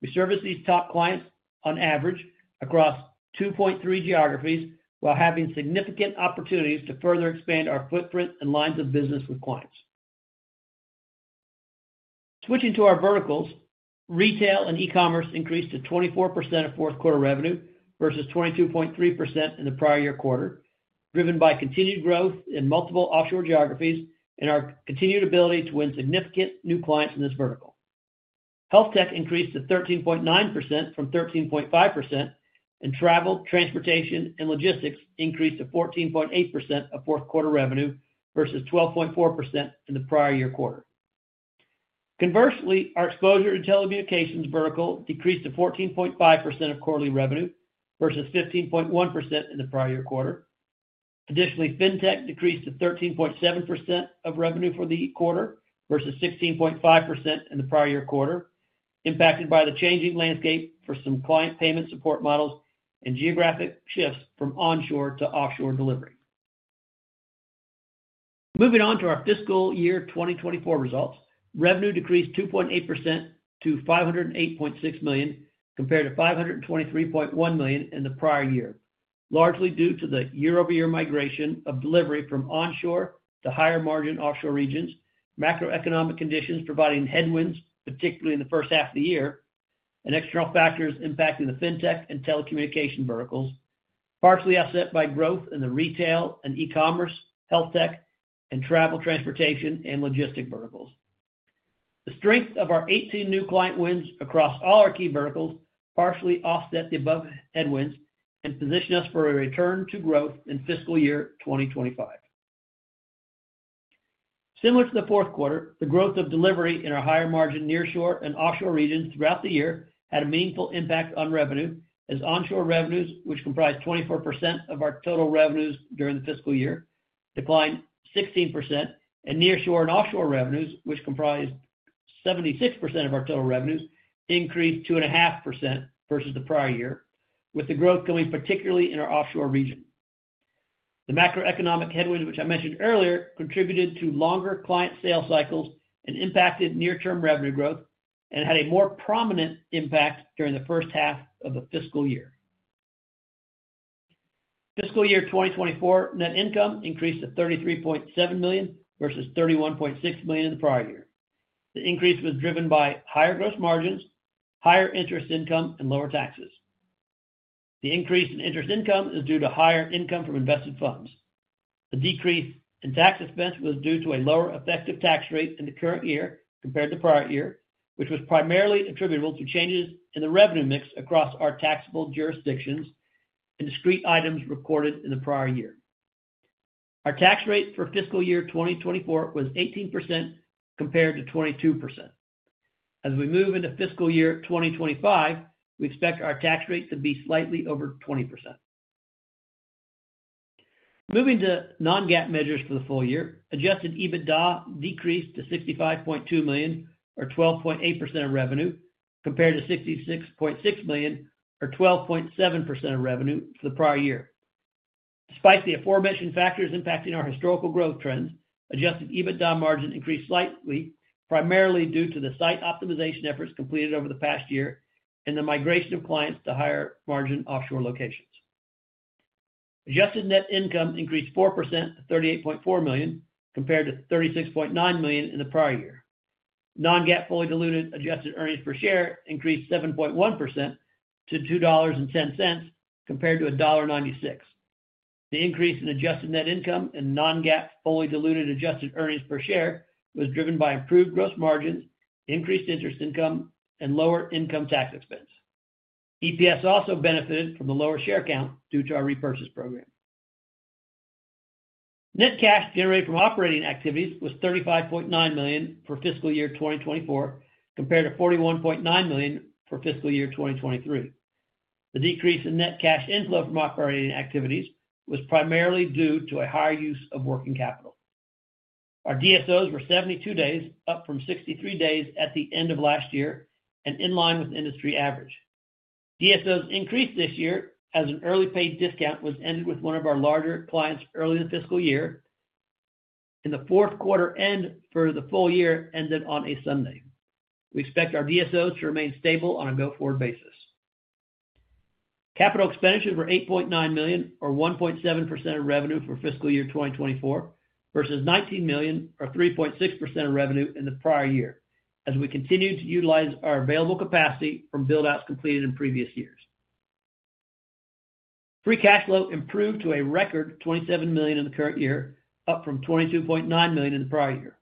We service these top clients on average across 2.3 geographies, while having significant opportunities to further expand our footprint and lines of business with clients. Switching to our verticals, retail and e-commerce increased to 24% of fourth quarter revenue, versus 22.3% in the prior year quarter, driven by continued growth in multiple offshore geographies and our continued ability to win significant new clients in this vertical. Health tech increased to 13.9% from 13.5%, and travel, transportation, and logistics increased to 14.8% of fourth quarter revenue versus 12.4% in the prior year quarter. Conversely, our exposure to telecommunications vertical decreased to 14.5% of quarterly revenue versus 15.1% in the prior year quarter. Additionally, fintech decreased to 13.7% of revenue for the quarter versus 16.5% in the prior year quarter, impacted by the changing landscape for some client payment support models and geographic shifts from onshore to offshore delivery. Moving on to our fiscal year 2024 results. Revenue decreased 2.8% to $508.6 million, compared to $523.1 million in the prior year, largely due to the year-over-year migration of delivery from onshore to higher-margin offshore regions, macroeconomic conditions providing headwinds, particularly in the first half of the year, and external factors impacting the fintech and telecommunication verticals, partially offset by growth in the retail and e-commerce, health tech, and travel, transportation, and logistics verticals. The strength of our 18 new client wins across all our key verticals partially offset the above headwinds and position us for a return to growth in fiscal year 2025. Similar to the fourth quarter, the growth of delivery in our higher-margin nearshore and offshore regions throughout the year had a meaningful impact on revenue, as onshore revenues, which comprised 24% of our total revenues during the fiscal year, declined 16%, and nearshore and offshore revenues, which comprised 76% of our total revenues, increased 2.5% versus the prior year, with the growth coming particularly in our offshore region. The macroeconomic headwinds, which I mentioned earlier, contributed to longer client sales cycles and impacted near-term revenue growth and had a more prominent impact during the first half of the fiscal year. Fiscal year 2024 net income increased to $33.7 million, versus $31.6 million in the prior year. The increase was driven by higher gross margins, higher interest income, and lower taxes. The increase in interest income is due to higher income from invested funds. The decrease in tax expense was due to a lower effective tax rate in the current year compared to prior year, which was primarily attributable to changes in the revenue mix across our taxable jurisdictions and discrete items recorded in the prior year. Our tax rate for fiscal year 2024 was 18%, compared to 22%. As we move into fiscal year 2025, we expect our tax rate to be slightly over 20%. Moving to Non-GAAP measures for the full year, Adjusted EBITDA decreased to $65.2 million or 12.8% of revenue, compared to $66.6 million or 12.7% of revenue for the prior year. Despite the aforementioned factors impacting our historical growth trends, Adjusted EBITDA margin increased slightly, primarily due to the site optimization efforts completed over the past year and the migration of clients to higher-margin offshore locations. Adjusted net income increased 4% to $38.4 million, compared to $36.9 million in the prior year. Non-GAAP, fully diluted adjusted earnings per share increased 7.1% to $2.10, compared to $1.96. The increase in adjusted net income and Non-GAAP, fully diluted adjusted earnings per share was driven by improved gross margins, increased interest income, and lower income tax expense. EPS also benefited from the lower share count due to our repurchase program. Net cash generated from operating activities was $35.9 million for fiscal year 2024, compared to $41.9 million for fiscal year 2023. The decrease in net cash inflow from operating activities was primarily due to a higher use of working capital. Our DSOs were 72 days, up from 63 days at the end of last year, and in line with industry average. DSOs increased this year as an early paid discount was ended with one of our larger clients early in the fiscal year, in the fourth quarter, and for the full year ended on a Sunday. We expect our DSOs to remain stable on a go-forward basis. Capital expenditures were $8.9 million, or 1.7% of revenue for fiscal year 2024, versus $19 million, or 3.6% of revenue in the prior year, as we continued to utilize our available capacity from build-outs completed in previous years. Free cash flow improved to a record $27 million in the current year, up from $22.9 million in the prior year.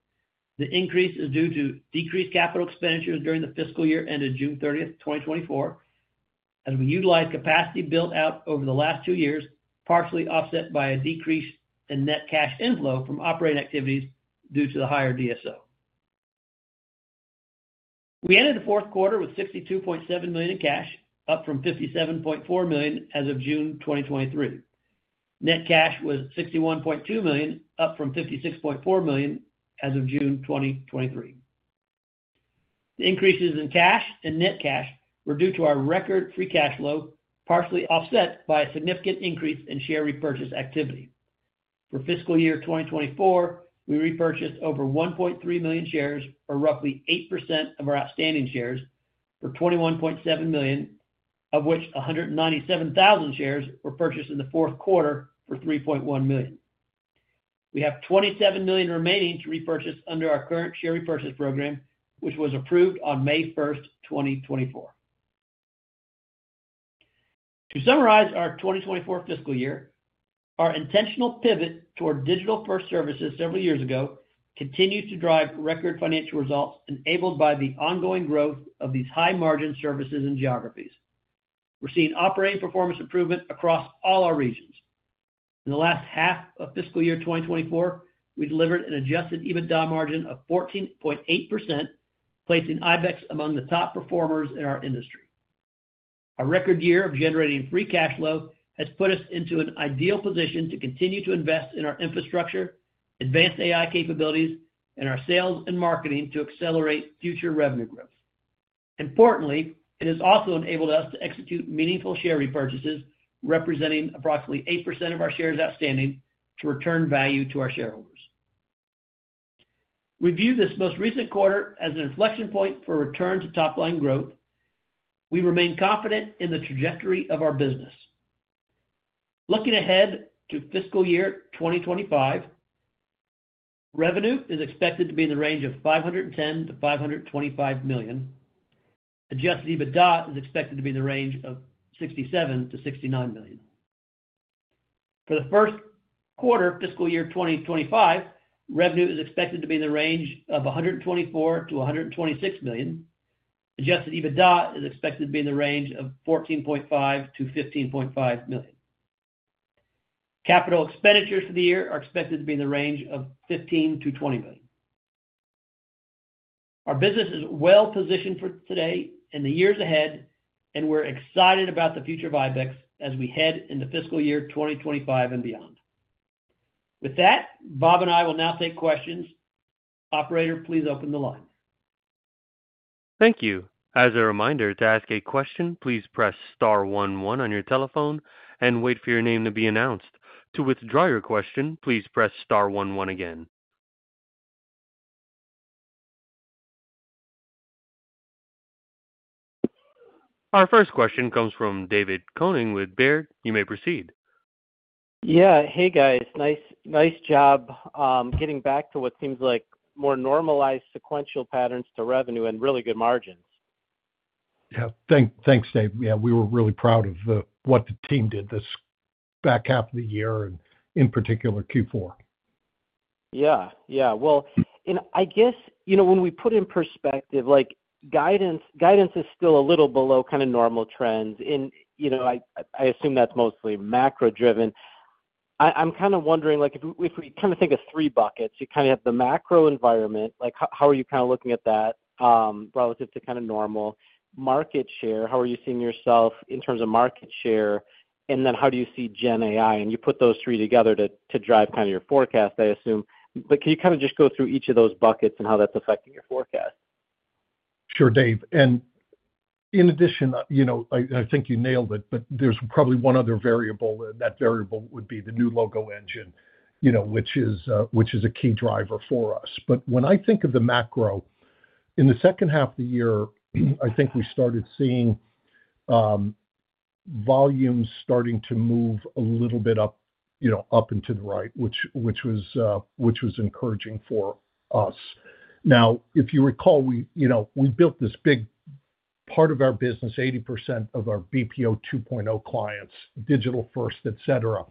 The increase is due to decreased capital expenditures during the fiscal year, ended June 30, 2024, as we utilized capacity built out over the last two years, partially offset by a decrease in net cash inflow from operating activities due to the higher DSO. We ended the fourth quarter with $62.7 million in cash, up from $57.4 million as of June 2023. Net cash was $61.2 million, up from $56.4 million as of June 2023. The increases in cash and net cash were due to our record free cash flow, partially offset by a significant increase in share repurchase activity. For fiscal year 2024, we repurchased over 1.3 million shares, or roughly 8% of our outstanding shares, for $21.7 million, of which 197,000 shares were purchased in the fourth quarter for $3.1 million. We have $27 million remaining to repurchase under our current share repurchase program, which was approved on May 1st, 2024. To summarize, our 2024 fiscal year, our intentional pivot toward digital-first services several years ago continues to drive record financial results, enabled by the ongoing growth of these high-margin services and geographies. We're seeing operating performance improvement across all our regions. In the last half of fiscal year 2024, we delivered an Adjusted EBITDA margin of 14.8%, placing Ibex among the top performers in our industry. A record year of generating free cash flow has put us into an ideal position to continue to invest in our infrastructure, advanced AI capabilities, and our sales and marketing to accelerate future revenue growth. Importantly, it has also enabled us to execute meaningful share repurchases, representing approximately 8% of our shares outstanding, to return value to our shareholders. We view this most recent quarter as an inflection point for return to top-line growth. We remain confident in the trajectory of our business. Looking ahead to fiscal year twenty twenty-five, revenue is expected to be in the range of $510 million-$525 million. Adjusted EBITDA is expected to be in the range of $67 million-$69 million. For the first quarter of fiscal year 2025, revenue is expected to be in the range of $124 million-$126 million. Adjusted EBITDA is expected to be in the range of $14.5 million-$15.5 million. Capital expenditures for the year are expected to be in the range of $15 million-$20 million. Our business is well positioned for today and the years ahead, and we're excited about the future of Ibex as we head into fiscal year 2025 and beyond. With that, Bob and I will now take questions. Operator, please open the line. Thank you. As a reminder, to ask a question, please press star one one on your telephone and wait for your name to be announced. To withdraw your question, please press star one one again. Our first question comes from David Koning with Baird. You may proceed. Yeah. Hey, guys. Nice, nice job, getting back to what seems like more normalized sequential patterns to revenue and really good margins. Yeah, thanks, Dave. Yeah, we were really proud of what the team did this back half of the year, and in particular, Q4. Yeah. Yeah. Well, and I guess, you know, when we put in perspective, like, guidance, guidance is still a little below kind of normal trends. And, you know, I assume that's mostly macro-driven. I'm kind of wondering, like, if we kind of think of three buckets, you kind of have the macro environment, like, how are you kind of looking at that relative to kind of normal? Market share, how are you seeing yourself in terms of market share? And then how do you see Gen AI? And you put those three together to drive kind of your forecast, I assume. But can you kind of just go through each of those buckets and how that's affecting your forecast? Sure, Dave. And in addition, you know, I think you nailed it, but there's probably one other variable, and that variable would be the new logo engine, you know, which is a key driver for us. But when I think of the macro, in the second half of the year, I think we started seeing volumes starting to move a little bit up, you know, up and to the right, which was encouraging for us. Now, if you recall, we, you know, we built this big part of our business, 80% of our BPO 2.0 clients, digital first, et cetera.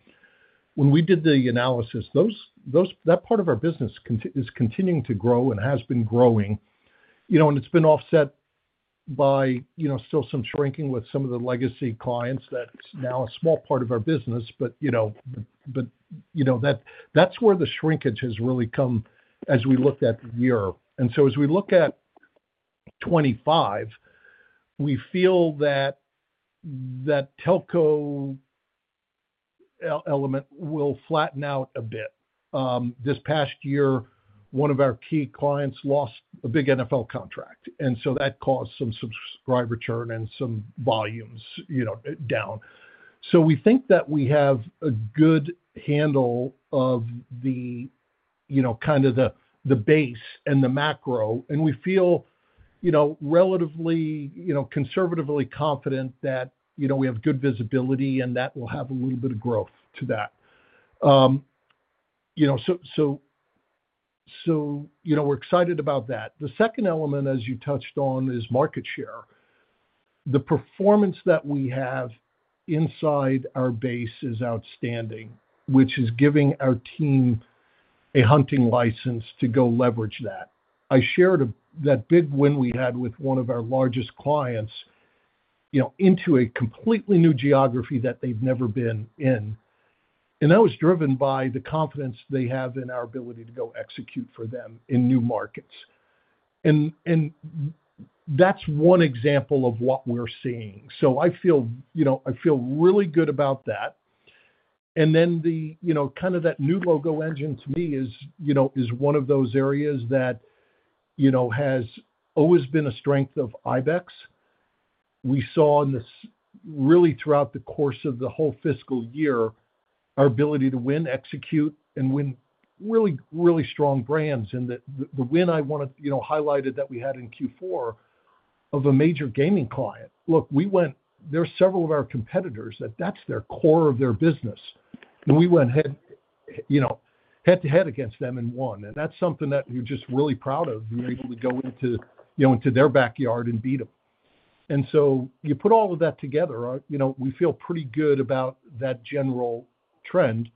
When we did the analysis, that part of our business cont... is continuing to grow and has been growing, you know, and it's been offset-... by, you know, still some shrinking with some of the legacy clients, that's now a small part of our business. But, you know, that, that's where the shrinkage has really come as we looked at the year. And so as we look at 2025, we feel that, that telco element will flatten out a bit. This past year, one of our key clients lost a big NFL contract, and so that caused some subscriber churn and some volumes, you know, down. So we think that we have a good handle of the, you know, kind of the base and the macro, and we feel, you know, relatively, you know, conservatively confident that, you know, we have good visibility, and that will have a little bit of growth to that. You know, so, you know, we're excited about that. The second element, as you touched on, is market share. The performance that we have inside our base is outstanding, which is giving our team a hunting license to go leverage that. I shared that big win we had with one of our largest clients, you know, into a completely new geography that they've never been in, and that was driven by the confidence they have in our ability to go execute for them in new markets, and, and that's one example of what we're seeing, so I feel, you know, I feel really good about that, and then the, you know, kind of that new logo engine to me is, you know, is one of those areas that, you know, has always been a strength of Ibex. We saw in this, really throughout the course of the whole fiscal year, our ability to win, execute, and win really, really strong brands. And the win I wanna, you know, highlight that we had in Q4 of a major gaming client. Look, we went. There are several of our competitors, that's their core of their business, and we went head, you know, head-to-head against them and won. And that's something that we're just really proud of. We were able to go into, you know, into their backyard and beat them. And so you put all of that together, you know, we feel pretty good about that general trend.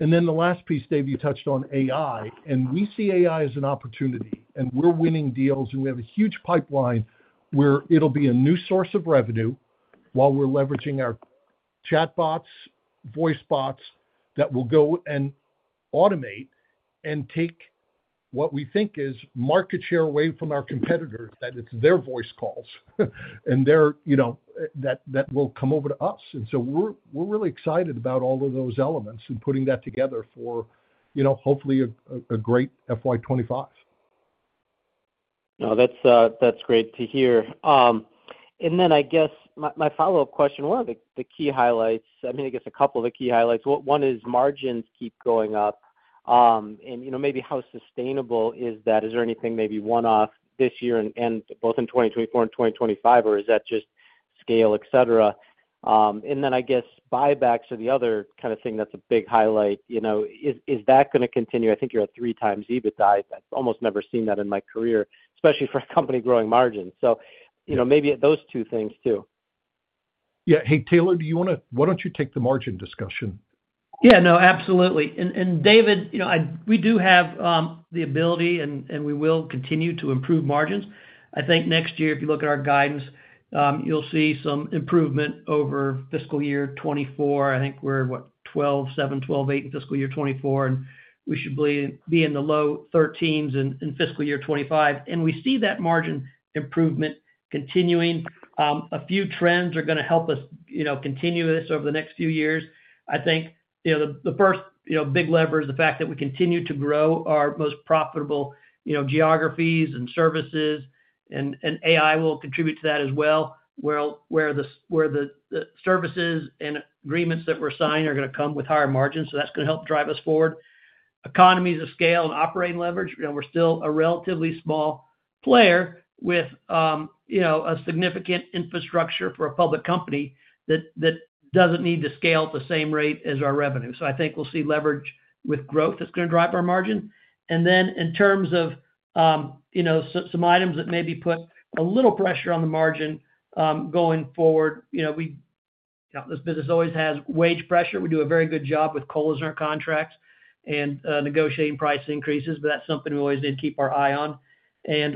And then the last piece, Dave, you touched on AI, and we see AI as an opportunity, and we're winning deals, and we have a huge pipeline where it'll be a new source of revenue while we're leveraging our chatbots, voice bots, that will go and automate and take what we think is market share away from our competitors, that it's their voice calls, and their, you know, that will come over to us. And so we're really excited about all of those elements and putting that together for, you know, hopefully a great FY twenty-five. No, that's great to hear. And then I guess my follow-up question, one of the key highlights, I mean, I guess a couple of the key highlights. One is margins keep going up, and you know, maybe how sustainable is that? Is there anything maybe one-off this year and both in 2024 and 2025, or is that just scale, et cetera? And then I guess buybacks are the other kind of thing that's a big highlight. You know, is that gonna continue? I think you're at three times EBITDA. I've almost never seen that in my career, especially for a company growing margins. So, you know, maybe at those two things too. Yeah. Hey, Taylor, do you wanna... Why don't you take the margin discussion? Yeah, no, absolutely. And David, you know, we do have the ability, and we will continue to improve margins. I think next year, if you look at our guidance, you'll see some improvement over fiscal year 2024. I think we're what? 12.7, 12.8 in fiscal year 2024, and we should be in the low thirteens in fiscal year 2025, and we see that margin improvement continuing. A few trends are gonna help us, you know, continue this over the next few years. I think, you know, the first big lever is the fact that we continue to grow our most profitable, you know, geographies and services, and AI will contribute to that as well, where the services and agreements that we're signing are gonna come with higher margins, so that's gonna help drive us forward. Economies of scale and operating leverage. You know, we're still a relatively small player with a significant infrastructure for a public company that doesn't need to scale at the same rate as our revenue. So I think we'll see leverage with growth that's gonna drive our margin. And then in terms of, you know, some items that maybe put a little pressure on the margin going forward, you know, we. This business always has wage pressure. We do a very good job with COLAs in our contracts and negotiating price increases, but that's something we always need to keep our eye on.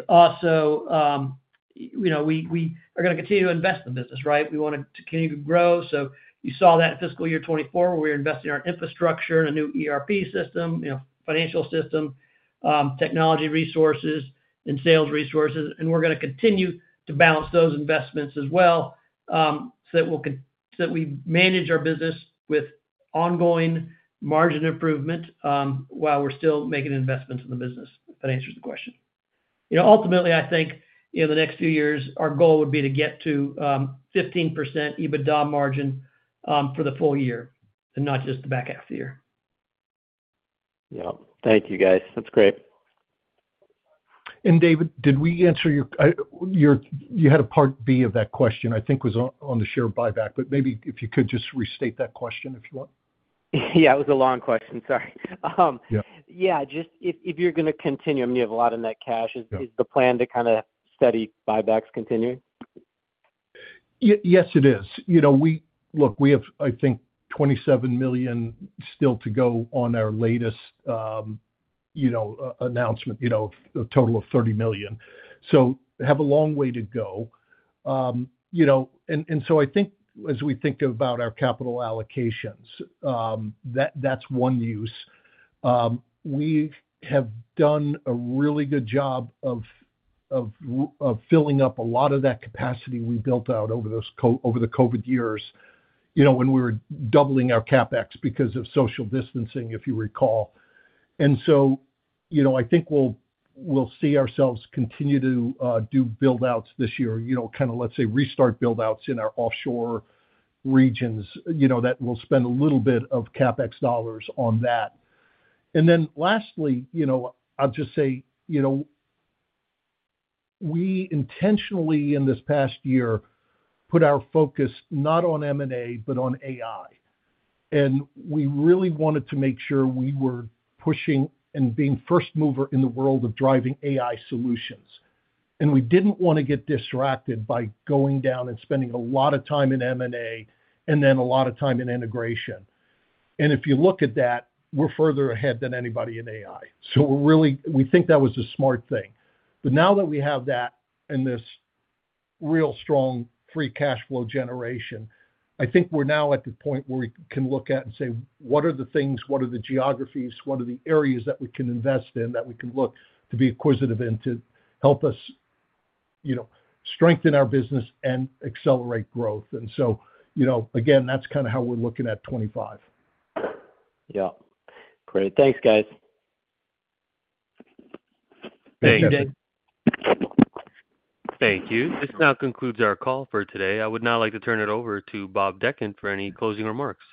Also, you know, we are gonna continue to invest in the business, right? We want it to continue to grow, so you saw that in fiscal year 2024, where we were investing in our infrastructure and a new ERP system, you know, financial system, technology resources and sales resources, and we're gonna continue to balance those investments as well, so that we manage our business with ongoing margin improvement, while we're still making investments in the business, if that answers the question. You know, ultimately, I think, you know, the next few years, our goal would be to get to 15% EBITDA margin for the full year and not just the back half of the year. Yep. Thank you, guys. That's great. David, did we answer your, you had a part B of that question? I think was on the share buyback, but maybe if you could just restate that question, if you want. Yeah, it was a long question. Sorry. Yeah. Yeah, just if you're gonna continue, I mean, you have a lot of net cash. Yeah. Is the plan to kind of steady buybacks continuing? Yes, it is. You know, we look, we have, I think, $27 million still to go on our latest, you know, announcement, you know, a total of $30 million. So have a long way to go. You know, and so I think as we think about our capital allocations, that's one use. We have done a really good job of filling up a lot of that capacity we built out over those COVID years, you know, when we were doubling our CapEx because of social distancing, if you recall. So, you know, I think we'll see ourselves continue to do build-outs this year, you know, kind of, let's say, restart build-outs in our offshore regions, you know, that we'll spend a little bit of CapEx dollars on that. And then lastly, you know, I'll just say, you know, we intentionally, in this past year, put our focus not on M&A, but on AI. And we really wanted to make sure we were pushing and being first mover in the world of driving AI solutions. And we didn't want to get distracted by going down and spending a lot of time in M&A and then a lot of time in integration. And if you look at that, we're further ahead than anybody in AI. So we're really... We think that was a smart thing. But now that we have that and this real strong free cash flow generation, I think we're now at the point where we can look at and say: What are the things? What are the geographies? What are the areas that we can invest in, that we can look to be acquisitive and to help us, you know, strengthen our business and accelerate growth? And so, you know, again, that's kind of how we're looking at 2025. Yeah. Great. Thanks, guys. Thank you. Thank you. This now concludes our call for today. I would now like to turn it over to Bob Dechant for any closing remarks.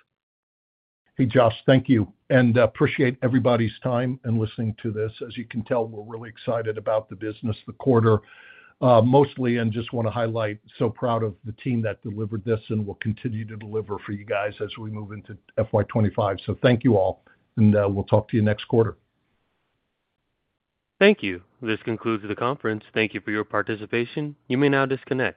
Hey, Josh, thank you, and, appreciate everybody's time in listening to this. As you can tell, we're really excited about the business, the quarter, mostly, and just want to highlight, so proud of the team that delivered this and will continue to deliver for you guys as we move into FY twenty-five. So thank you all, and, we'll talk to you next quarter. Thank you. This concludes the conference. Thank you for your participation. You may now disconnect.